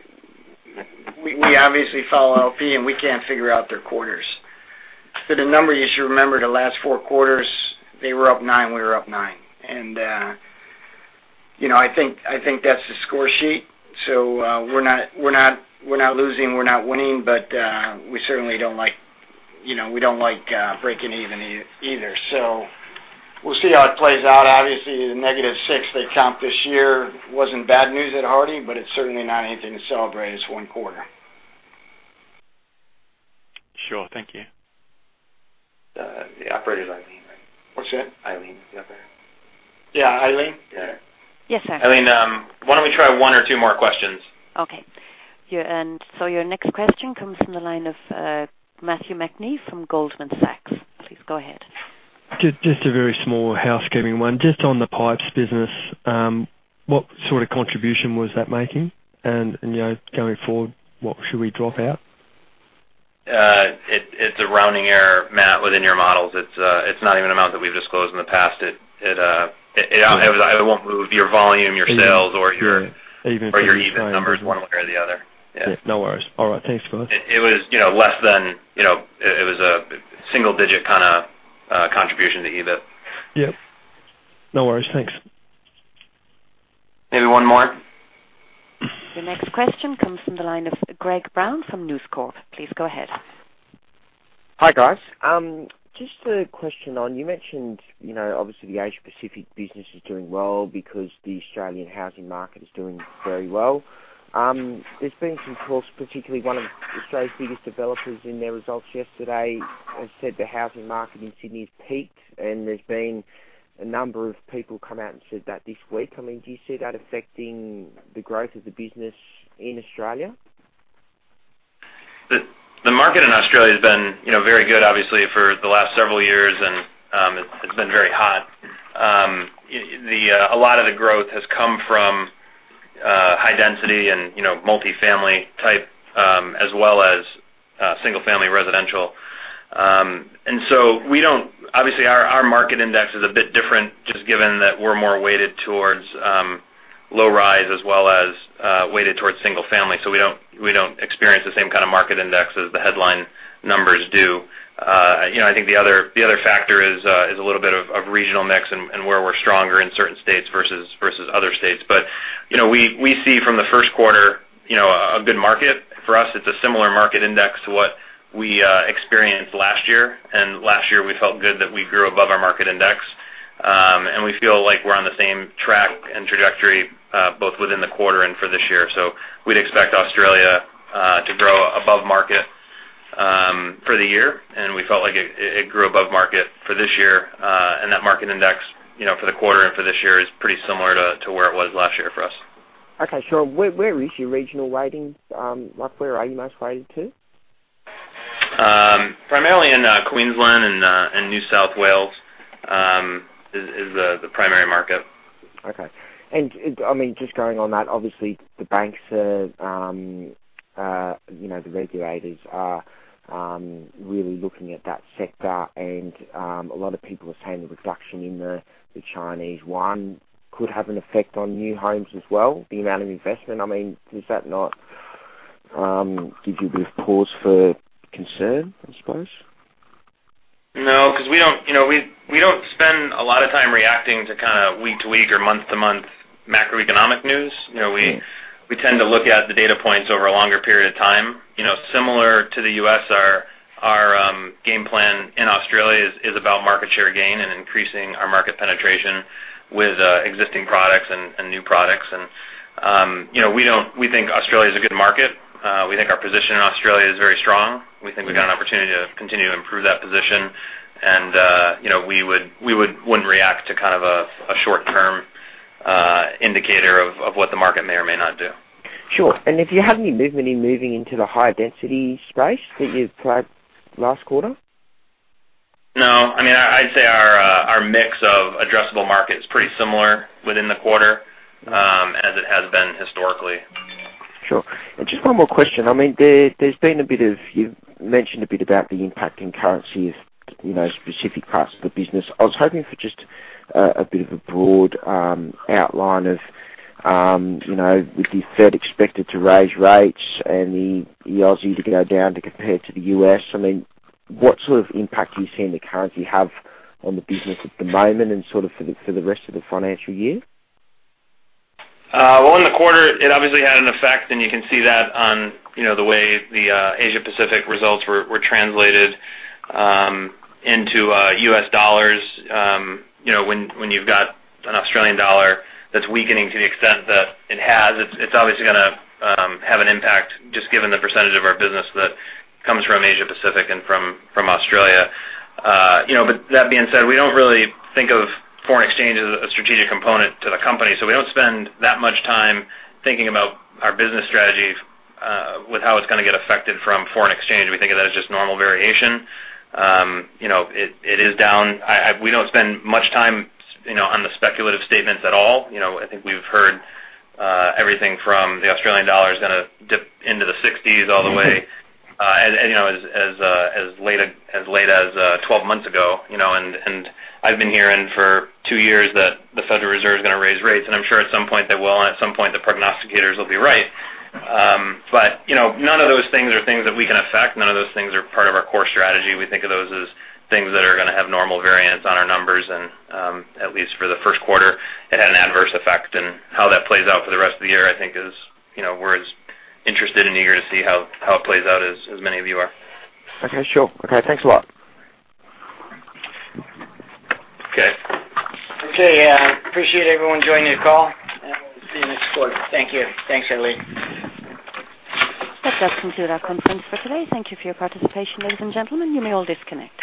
we obviously follow LP, and we can't figure out their quarters. So the number you should remember, the last four quarters, they were up nine, we were up nine. And, you know, I think that's the score sheet. So, we're not losing, we're not winning, but, we certainly don't like... you know, we don't like breaking even either. So we'll see how it plays out. Obviously, the negative six they counted this year wasn't bad news at Hardie, but it's certainly not anything to celebrate. It's one quarter. Sure. Thank you. The operator, Eileen, right? What's that? Eileen, is she up there? Yeah, Eileen? Yes, sir. Eileen, why don't we try one or two more questions? Okay. Yeah, and so your next question comes from the line of Matthew McNee from Goldman Sachs. Please go ahead. Just, just a very small housekeeping one. Just on the pipes business, what sort of contribution was that making? And, you know, going forward, what should we drop out? It's a rounding error, Matt, within your models. It's not even an amount that we've disclosed in the past. It won't move your volume, your sales- Even- or your EBIT numbers one way or the other. Yeah. No worries. All right, thanks for this. It was, you know, less than, you know, a single digit kind of contribution to EBIT. Yep. No worries. Thanks. Maybe one more? The next question comes from the line of Greg Brown from News Corp. Please go ahead. Hi, guys. Just a question on. You mentioned, you know, obviously, the Asia Pacific business is doing well because the Australian housing market is doing very well. There's been some talks, particularly one of Australia's biggest developers in their results yesterday, have said the housing market in Sydney has peaked, and there's been a number of people come out and said that this week. I mean, do you see that affecting the growth of the business in Australia? The market in Australia has been, you know, very good, obviously, for the last several years, and it's been very hot. A lot of the growth has come from high density and, you know, multifamily type as well as single-family residential. And so we don't obviously, our market index is a bit different, just given that we're more weighted towards low rise as well as weighted towards single family. So we don't experience the same kind of market index as the headline numbers do. You know, I think the other factor is a little bit of regional mix and where we're stronger in certain states versus other states. But, you know, we see from the first quarter, you know, a good market. For us, it's a similar market index to what we experienced last year, and last year we felt good that we grew above our market index. We feel like we're on the same track and trajectory, both within the quarter and for this year, so we'd expect Australia to grow above market for the year, and we felt like it grew above market for this year, and that market index, you know, for the quarter and for this year is pretty similar to where it was last year for us. Okay, so where is your regional ratings? Like, where are you most rated to? Primarily in Queensland and New South Wales is the primary market. Okay. And I mean, just going on that, obviously, the banks are, you know, the regulators are really looking at that sector, and a lot of people are saying the reduction in the Chinese one could have an effect on new homes as well, the amount of investment. I mean, does that not give you a bit of pause for concern, I suppose? No, 'cause we don't. You know, we don't spend a lot of time reacting to kinda week to week or month to month macroeconomic news. You know, we- Mm. We tend to look at the data points over a longer period of time. You know, similar to the US, our game plan in Australia is about market share gain and increasing our market penetration with existing products and new products. You know, we think Australia is a good market. We think our position in Australia is very strong. Mm. We think we've got an opportunity to continue to improve that position, and, you know, we wouldn't react to kind of a short-term indicator of what the market may or may not do. Sure. And if you have any movement in moving into the higher density space that you flagged last quarter? No. I mean, I'd say our mix of addressable market is pretty similar within the quarter, as it has been historically. Sure. And just one more question. I mean, there's been a bit of... You've mentioned a bit about the impact in currency of, you know, specific parts of the business. I was hoping for just a bit of a broad outline of, you know, with the Fed expected to raise rates and the Aussie to go down to compared to the US. I mean, what sort of impact do you see the currency have on the business at the moment and sort of for the rest of the financial year? In the quarter, it obviously had an effect, and you can see that on, you know, the way the Asia Pacific results were translated into U.S. dollars. You know, when you've got an Australian dollar that's weakening to the extent that it has, it's obviously gonna have an impact, just given the percentage of our business that comes from Asia Pacific and from Australia. You know, but that being said, we don't really think of foreign exchange as a strategic component to the company, so we don't spend that much time thinking about our business strategy with how it's gonna get affected from foreign exchange. We think of that as just normal variation. You know, it is down. We don't spend much time, you know, on the speculative statements at all. You know, I think we've heard everything from the Australian dollar is gonna dip into the sixties all the way- Mm. and, you know, as late as twelve months ago, you know, and I've been hearing for two years that the Federal Reserve is gonna raise rates, and I'm sure at some point they will, and at some point, the prognosticators will be right. But, you know, none of those things are things that we can affect. None of those things are part of our core strategy. We think of those as things that are gonna have normal variance on our numbers. And, at least for the first quarter, it had an adverse effect. And how that plays out for the rest of the year, I think is, you know, we're as interested and eager to see how it plays out as many of you are. Okay, sure. Okay, thanks a lot. Okay. Okay, appreciate everyone joining the call, and we'll see you next quarter. Thank you. Thanks, everybody. That does conclude our conference for today. Thank you for your participation, ladies and gentlemen. You may all disconnect.